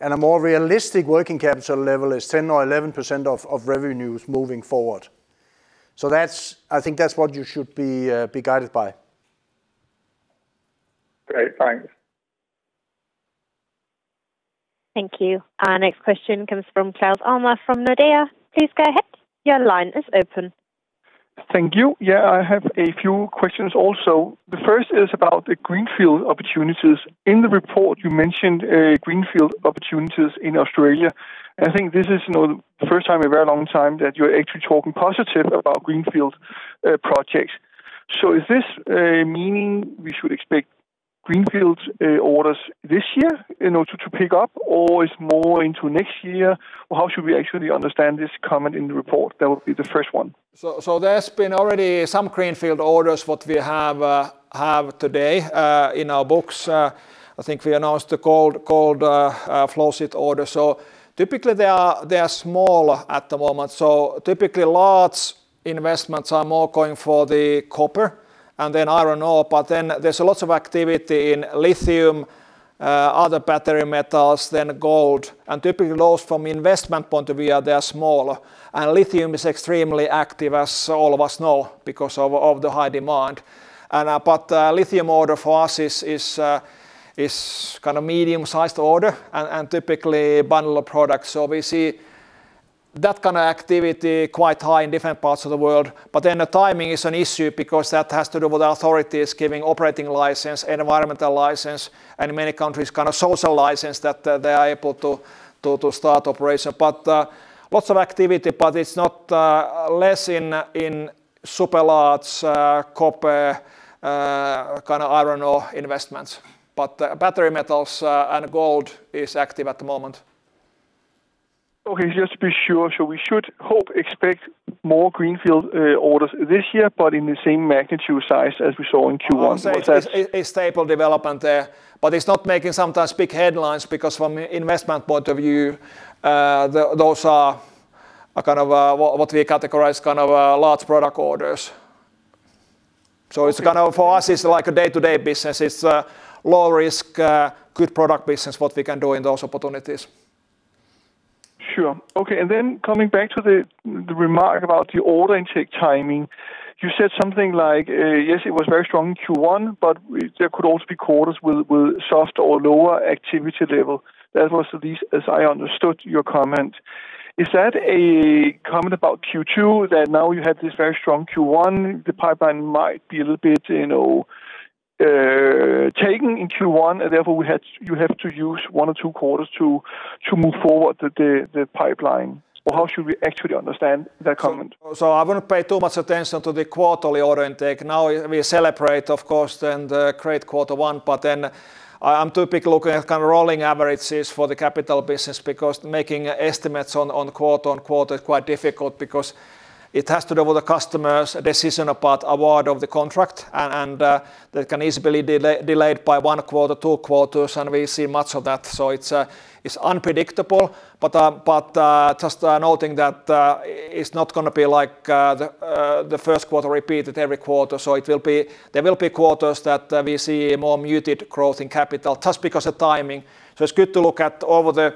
B: A more realistic working capital level is 10% or 11% of revenues moving forward. I think that's what you should be guided by.
H: Great. Thanks.
C: Thank you. Our next question comes from Claus Almer from Nordea. Please go ahead. Your line is open.
I: Thank you. Yeah, I have a few questions also. The first is about the greenfield opportunities. In the report, you mentioned greenfield opportunities in Australia. I think this is, you know, the first time in a very long time that you're actually talking positive about greenfield projects. Is this meaning we should expect greenfields orders this year in order to pick up, or it's more into next year? Or how should we actually understand this comment in the report? That would be the first one.
A: There's been already some greenfield orders what we have today in our books. I think we announced the gold flow sheet order. Typically, they are small at the moment. Typically, large investments are more going for the copper and then iron ore. There's lots of activity in lithium, other battery metals, then gold. Typically those from investment point of view, they're small. Lithium is extremely active, as all of us know, because of the high demand. Lithium order for us is kind of medium-sized order and typically bundle of products. We see that kind of activity quite high in different parts of the world. The timing is an issue because that has to do with authorities giving operating license and environmental license, and in many countries, kind of social license that they are able to start operation. Lots of activity, but it's not less in super large copper kind of iron ore investments. Battery metals and gold is active at the moment.
I: Okay, just to be sure. We should hope, expect more greenfield orders this year, but in the same magnitude size as we saw in Q1?
A: I would say it's a stable development there, but it's not making sometimes big headlines because from an investment point of view, those are a kind of what we categorize kind of large product orders. It's kind of, for us, it's like a day-to-day business. It's low risk, good product business, what we can do in those opportunities.
I: Sure. Okay. Coming back to the remark about the order intake timing. You said something like, yes, it was very strong in Q1, but there could also be quarters with soft or lower activity level. That was at least as I understood your comment. Is that a comment about Q2, that now you have this very strong Q1, the pipeline might be a little bit, you know, taken in Q1, and therefore you have to use one or two quarters to move forward the pipeline? Or how should we actually understand that comment?
A: I wouldn't pay too much attention to the quarterly order intake. Now we celebrate, of course, the great quarter one, but then I am typically looking at kind of rolling averages for the capital business because making estimates on quarter-over-quarter is quite difficult because it has to do with the customer's decision about award of the contract and that can easily be delayed by one quarter, two quarters, and we see much of that. It's unpredictable. Just noting that it's not gonna be like the first quarter repeated every quarter. It will be. There will be quarters that we see more muted growth in capital just because of timing. It's good to look at over the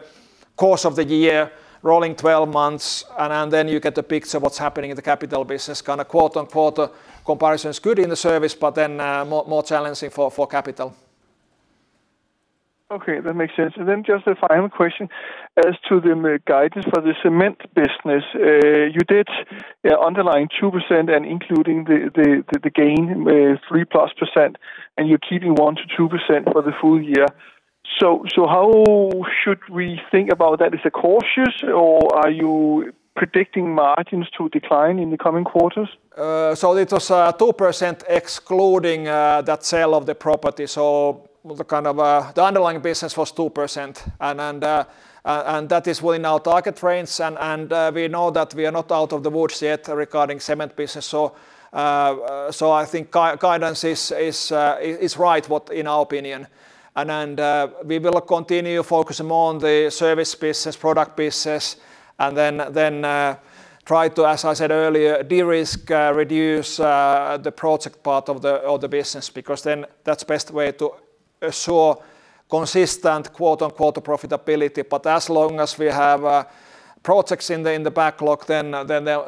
A: course of the year, rolling 12 months and then you get the picture of what's happening in the capital business. Kind of quarter-on-quarter comparison is good in the service, but then more challenging for capital.
I: Okay, that makes sense. Just a final question as to the guidance for the cement business. You did underline 2% and including the gain with 3%+, and you're keeping 1%-2% for the full year. How should we think about that? Is it cautious, or are you predicting margins to decline in the coming quarters?
A: It was 2% excluding that sale of the property. The underlying business was 2% and that is within our target range and we know that we are not out of the woods yet regarding cement business. I think guidance is right in our opinion. Then we will continue focusing more on the service business, product business, and then try to, as I said earlier, de-risk, reduce the project part of the business because that's best way to assure consistent quote-unquote profitability. But as long as we have projects in the backlog then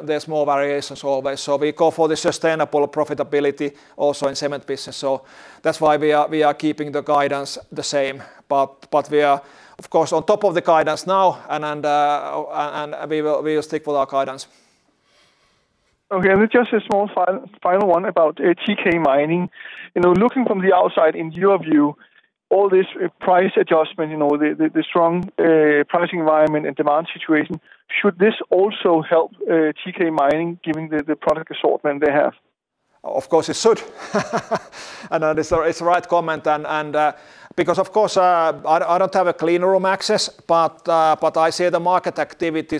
A: there is more variations always. We go for the sustainable profitability also in cement business. That's why we are keeping the guidance the same. We are of course on top of the guidance now and we will stick with our guidance.
I: Okay. Just a small final one about TK Mining. You know, looking from the outside in your view, all this price adjustment, you know, the strong pricing environment and demand situation, should this also help TK Mining given the product assortment they have?
A: Of course it should. It's the right comment because of course I don't have clean room access, but I see the market activity.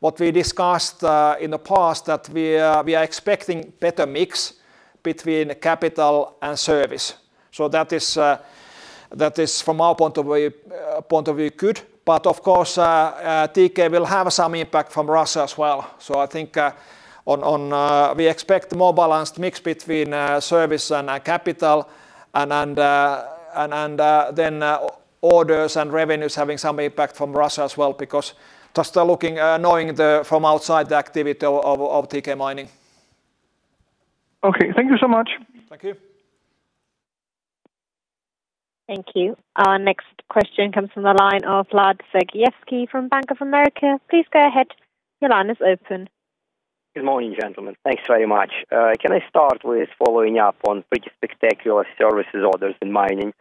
A: What we discussed in the past that we are expecting better mix between capital and service. That is from our point of view good. Of course TK will have some impact from Russia as well. I think we expect more balanced mix between service and capital and then orders and revenues having some impact from Russia as well because just looking knowing from outside the activity of TK Mining.
I: Okay. Thank you so much.
A: Thank you.
C: Thank you. Our next question comes from the line of Vlad Sergievskiy from Bank of America. Please go ahead. Your line is open.
J: Good morning, gentlemen. Thanks very much. Can I start with following up on pretty spectacular services orders in mining?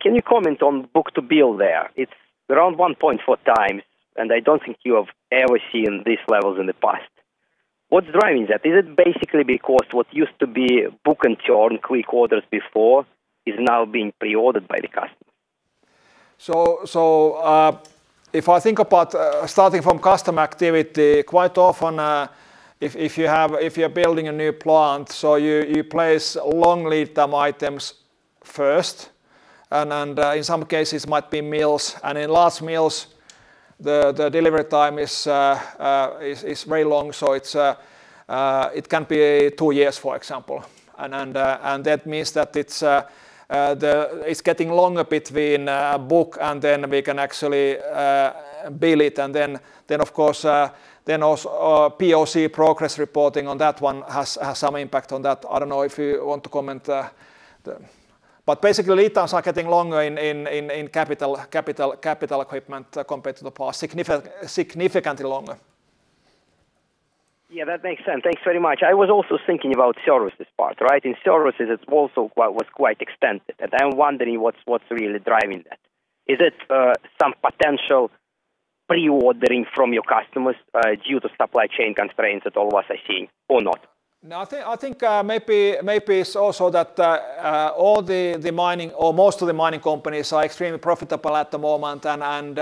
J: Can you comment on book-to-bill there? It's around 1.4x, and I don't think you have ever seen these levels in the past. What's driving that? Is it basically because what used to be book and churn quick orders before is now being pre-ordered by the customer?
A: If I think about starting from customer activity, quite often, if you're building a new plant, you place long lead time items first and in some cases might be mills. In large mills the delivery time is very long. It can be two years for example. That means that it's getting longer between book and then we can actually bill it. Of course, POC progress reporting on that one has some impact on that. I don't know if you want to comment. Basically, lead times are getting longer in capital equipment compared to the past. Significantly longer.
J: Yeah, that makes sense. Thanks very much. I was also thinking about services part, right? In services it's also was quite extensive, and I'm wondering what's really driving that. Is it some potential pre-ordering from your customers due to supply chain constraints that all of us are seeing or not?
A: No, I think maybe it's also that all the mining or most of the mining companies are extremely profitable at the moment, and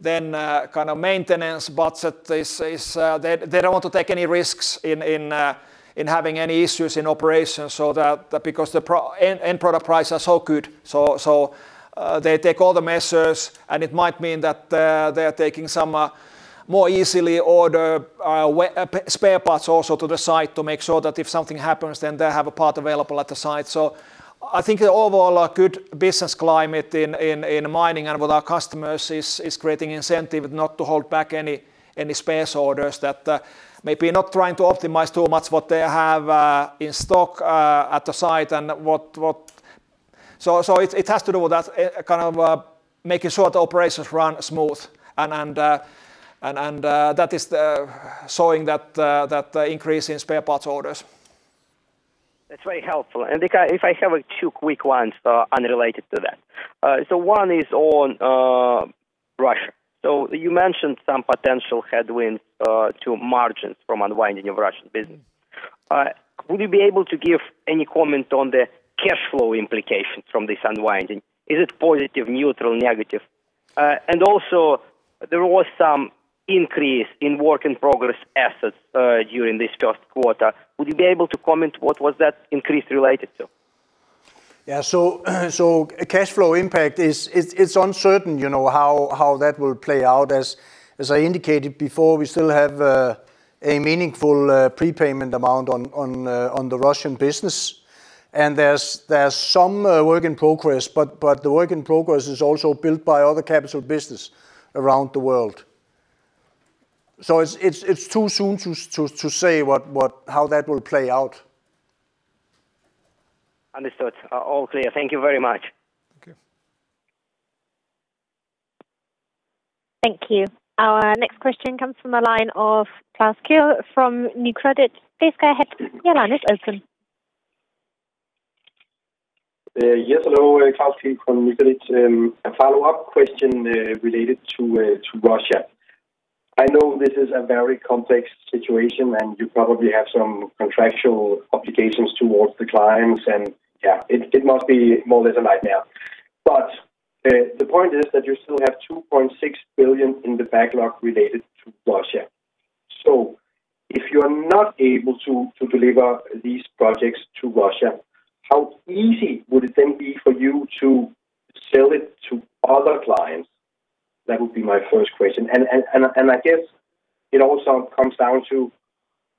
A: then kind of maintenance budget is they don't want to take any risks in having any issues in operations so that because the end product prices are so good. They take all the measures, and it might mean that they're taking some more easily order spare parts also to the site to make sure that if something happens, then they have a part available at the site. I think the overall good business climate in mining and with our customers is creating incentive not to hold back any spares orders that maybe not trying to optimize too much what they have in stock at the site and. It has to do with that kind of making sure the operations run smooth and that is the showing that that increase in spare parts orders.
J: That's very helpful. If I have, like, two quick ones unrelated to that. One is on Russia. You mentioned some potential headwinds to margins from unwinding of Russian business. Would you be able to give any comment on the cash flow implications from this unwinding? Is it positive, neutral, negative? There was some increase in work in progress assets during this first quarter. Would you be able to comment what was that increase related to?
B: Cash flow impact is. It's uncertain, you know, how that will play out. As I indicated before, we still have a meaningful prepayment amount on the Russian business. There's some work in progress, but the work in progress is also built by other capital business around the world. It's too soon to say how that will play out.
J: Understood. All clear. Thank you very much.
B: Okay.
C: Thank you. Our next question comes from the line of Klaus Kehl from Nykredit. Please go ahead. Your line is open.
K: Yes. Hello, Klaus Kehl from Nykredit. A follow-up question related to Russia. I know this is a very complex situation, and you probably have some contractual obligations towards the clients, and it must be more or less a nightmare. The point is that you still have 2.6 billion in the backlog related to Russia. If you're not able to deliver these projects to Russia, how easy would it then be for you to sell it to other clients? That would be my first question. I guess it also comes down to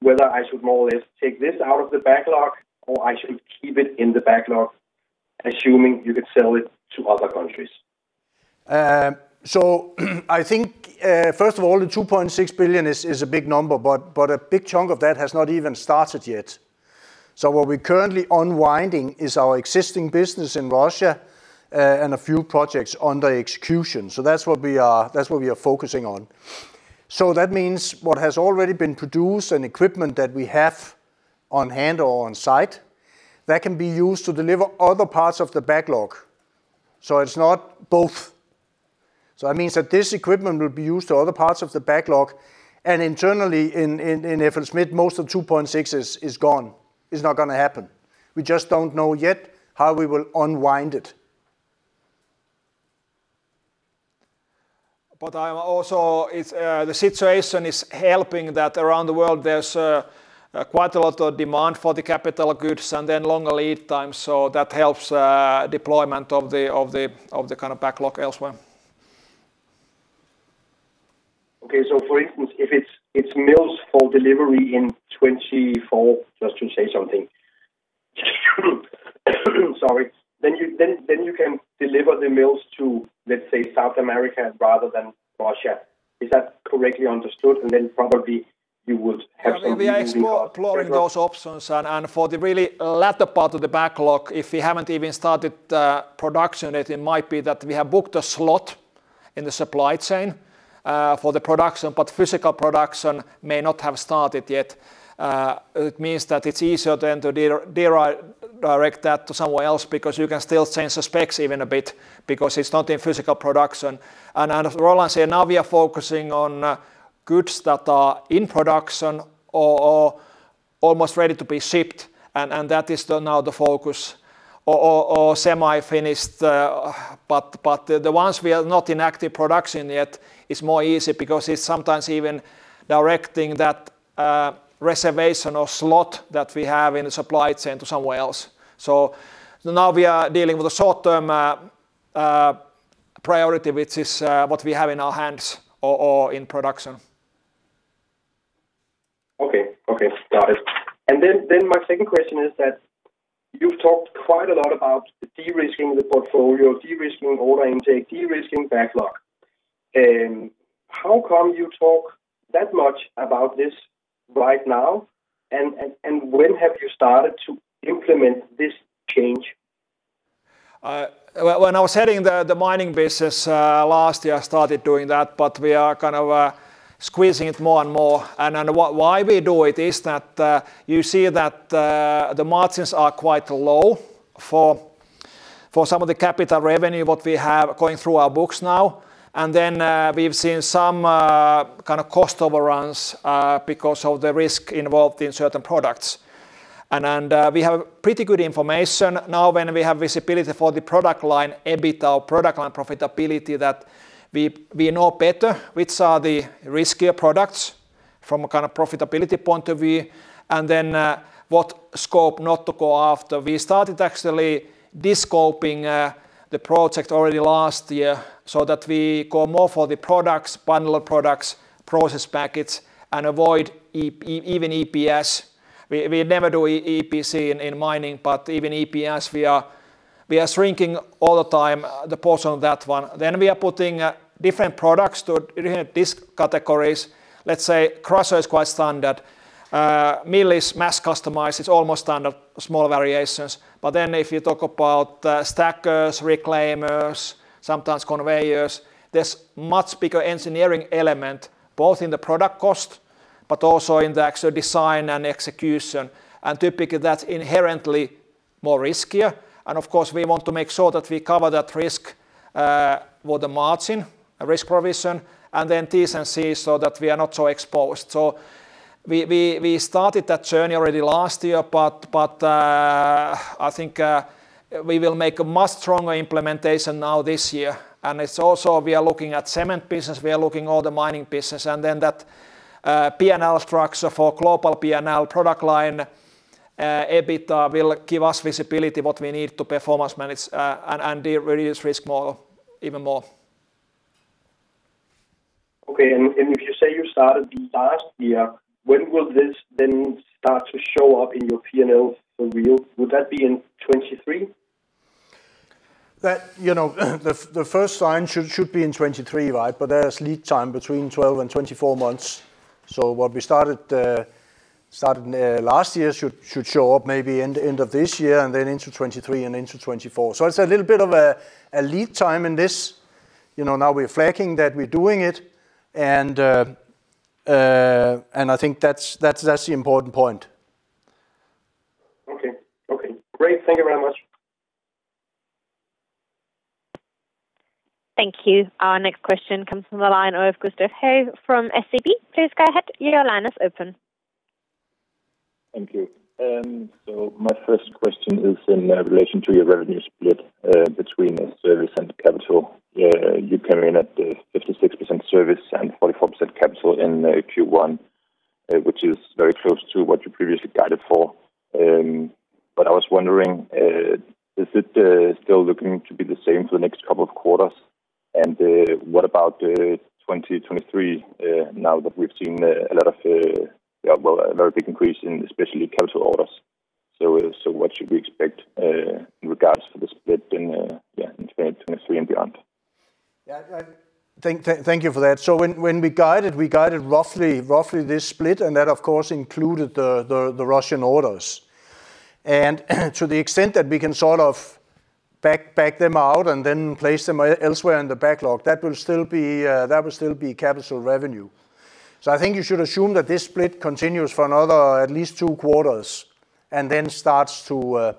K: whether I should more or less take this out of the backlog or I should keep it in the backlog, assuming you could sell it to other countries.
B: I think, first of all, the 2.6 billion is a big number, but a big chunk of that has not even started yet. What we're currently unwinding is our existing business in Russia, and a few projects under execution. That's what we are focusing on. That means what has already been produced and equipment that we have on hand or on site, that can be used to deliver other parts of the backlog. It's not both. That means that this equipment will be used to other parts of the backlog, and internally in FLSmidth, most of the 2.6 billion is gone, is not gonna happen. We just don't know yet how we will unwind it.
A: I'm also. It's the situation is helping that around the world there's quite a lot of demand for the capital goods and then longer lead time, so that helps deployment of the kind of backlog elsewhere.
K: Okay. For instance, if it's mills for delivery in 2024, just to say something, sorry, then you can deliver the mills to, let's say, South America rather than Russia. Is that correctly understood? Then probably you would have something in the pipeline as well.
A: Yeah. We are exploring those options and for the really latter part of the backlog, if we haven't even started production, it might be that we have booked a slot in the supply chain for the production, but physical production may not have started yet. It means that it's easier then to direct that to somewhere else because you can still change the specs even a bit because it's not in physical production. As Roland said, now we are focusing on goods that are in production or almost ready to be shipped, and that is now the focus or semi-finished. The ones we are not in active production yet is more easy because it's sometimes even directing that reservation or slot that we have in the supply chain to somewhere else. Now we are dealing with a short-term priority, which is what we have in our hands or in production.
K: Okay. Got it. Then my second question is that you've talked quite a lot about the de-risking the portfolio, de-risking order intake, de-risking backlog. How come you talk that much about this right now, and when have you started to implement this change?
A: Well, when I was heading the mining business last year, I started doing that, but we are kind of squeezing it more and more. And why we do it is that you see that the margins are quite low for some of the capital revenue what we have going through our books now, and then we've seen some kind of cost overruns because of the risk involved in certain products. We have pretty good information now when we have visibility for the product line EBIT, our product line profitability that we know better which are the riskier products from a kind of profitability point of view, and then what scope not to go after. We started actually descoping the project already last year so that we go more for the products, bundle of products, process packages, and avoid even EPS. We never do EPC in mining, but even EPS, we are shrinking all the time the portion of that one. Then we are putting different products to different risk categories. Let's say crusher is quite standard. Mill is mass customized. It's almost standard, small variations. But then if you talk about stackers, reclaimers, sometimes conveyors, there's much bigger engineering element, both in the product cost, but also in the actual design and execution. Typically, that's inherently more riskier. Of course, we want to make sure that we cover that risk with the margin, risk provision, and then Terms and Conditions so that we are not so exposed. We started that journey already last year, but I think we will make a much stronger implementation now this year. It's also, we are looking at cement business, we are looking at all the mining business, and then that P&L structure for global P&L product line, EBIT, will give us visibility what we need to performance manage, and reduce risk more, even more.
K: Okay. If you say you started last year, when will this then start to show up in your P&L for real? Would that be in 2023?
B: That, you know, the first sign should be in 2023, right? There's lead time between 12 and 24 months. What we started last year should show up maybe end of this year and then into 2023 and into 2024. It's a little bit of a lead time in this. You know, now we're flagging that we're doing it and I think that's the important point.
K: Okay. Great. Thank you very much.
C: Thank you. Our next question comes from the line of Gustav Høegh from SEB. Please go ahead. Your line is open.
L: Thank you. My first question is in relation to your revenue split between service and capital. You came in at 56% service and 44% capital in Q1, which is very close to what you previously guided for. I was wondering, is it still looking to be the same for the next couple of quarters? What about 2023, now that we've seen a lot of, yeah, well, a very big increase in especially capital orders. What should we expect in regards to the split in, yeah, in 2023 and beyond?
B: Yeah. I thank you for that. When we guided roughly this split, and that of course included the Russian orders. To the extent that we can sort of back them out and then place them elsewhere in the backlog, that will still be capital revenue. I think you should assume that this split continues for another at least two quarters and then starts to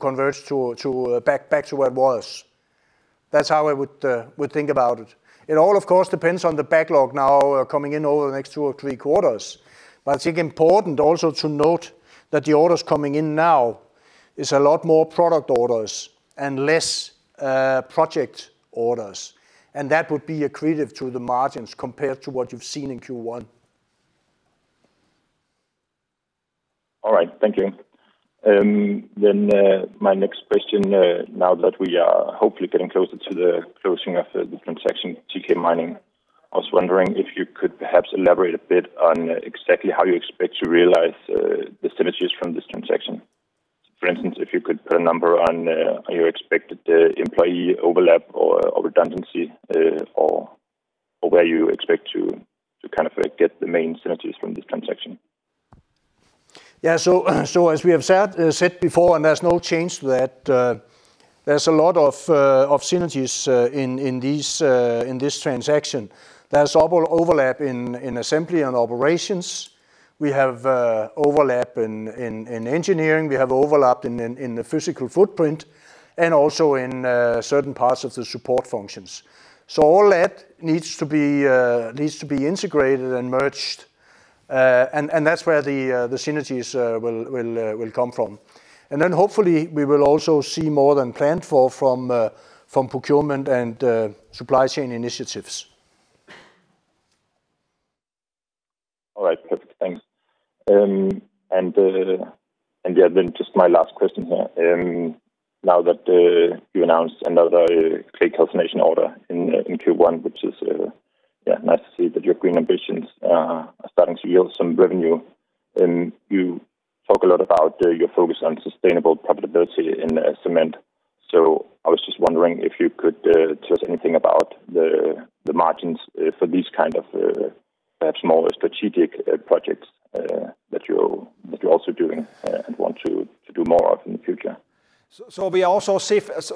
B: converge back to where it was. That's how I would think about it. It all of course depends on the backlog now coming in over the next two or three quarters. I think important also to note that the orders coming in now is a lot more product orders and less, project orders, and that would be accretive to the margins compared to what you've seen in Q1.
L: All right. Thank you. My next question, now that we are hopefully getting closer to the closing of the transaction, TK Mining, I was wondering if you could perhaps elaborate a bit on exactly how you expect to realize the synergies from this transaction. For instance, if you could put a number on your expected employee overlap or redundancy, or where you expect to kind of get the main synergies from this transaction.
B: As we have said before, and there's no change to that, there's a lot of synergies in this transaction. There's overlap in assembly and operations. We have overlap in engineering. We have overlap in the physical footprint and also in certain parts of the support functions. All that needs to be integrated and merged. That's where the synergies will come from. Hopefully we will also see more than planned for from procurement and supply chain initiatives.
L: All right. Perfect. Thanks. Yeah, then just my last question here. Now that you announced another Clay calcination order in Q1, which is yeah, nice to see that your green ambitions are starting to yield some revenue. You talk a lot about your focus on sustainable profitability in cement. I was just wondering if you could tell us anything about the margins for these kind of perhaps more strategic projects that you're also doing and want to do more of in the future.
A: We are also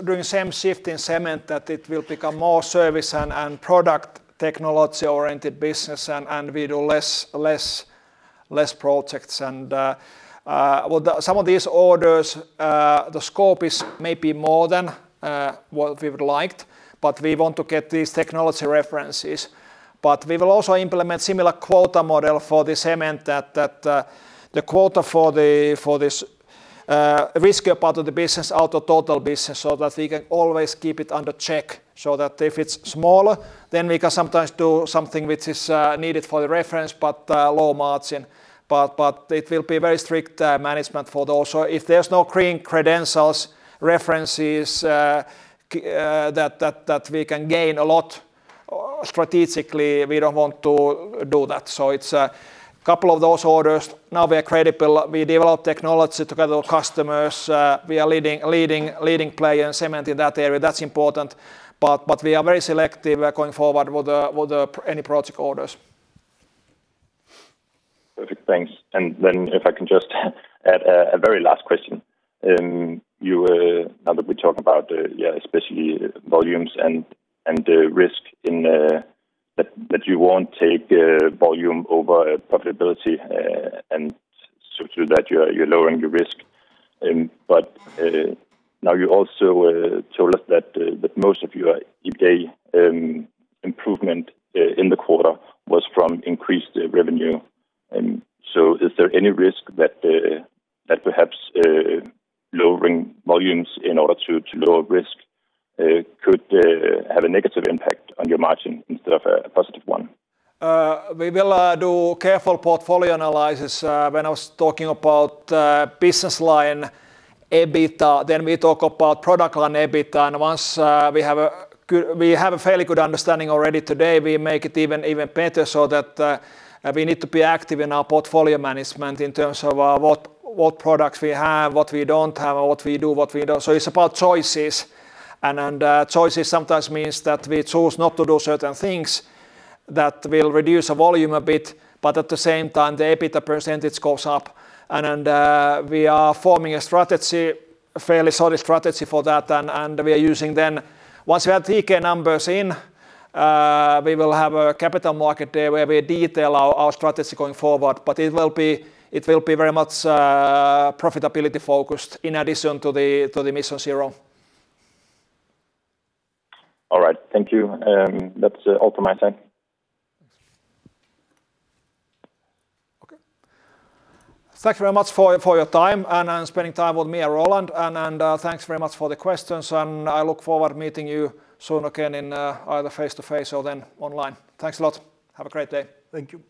A: doing same shift in cement that it will become more service and product technology-oriented business and we do less projects and well, some of these orders, the scope is maybe more than what we would liked, but we want to get these technology references. We will also implement similar quota model for the cement that the quota for this riskier part of the business out of total business so that we can always keep it under check, so that if it's smaller, then we can sometimes do something which is needed for the reference, but low margin. It will be very strict management for those. If there's no green credentials, references, that we can gain a lot strategically, we don't want to do that. It's a couple of those orders. Now we are credible. We develop technology together with customers. We are leading player in cement in that area. That's important. We are very selective going forward with any project orders.
L: Perfect, thanks. Then if I can just add a very last question. Now that we talk about, especially volumes and the risk in that you won't take volume over profitability, and so through that you're lowering your risk. Now you also told us that most of your EBITDA improvement in the quarter was from increased revenue. Is there any risk that perhaps lowering volumes in order to lower risk could have a negative impact on your margin instead of a positive one?
A: We will do careful portfolio analysis. When I was talking about business line EBITDA, then we talk about product line EBITDA. Once we have a fairly good understanding already today, we make it even better so that we need to be active in our portfolio management in terms of what products we have, what we don't have, or what we do, what we don't. So it's about choices. Choices sometimes means that we choose not to do certain things that will reduce volume a bit, but at the same time, the EBITDA percentage goes up. Then we are forming a strategy, a fairly solid strategy for that. We are using then once we have the TK numbers in, we will have a capital market day where we detail our strategy going forward. It will be very much profitability-focused in addition to the MissionZero.
L: All right. Thank you. That's all for my time.
A: Okay. Thank you very much for your time and spending time with me and Roland. Thanks very much for the questions, and I look forward to meeting you soon again in either face-to-face or then online. Thanks a lot. Have a great day.
C: Thank you.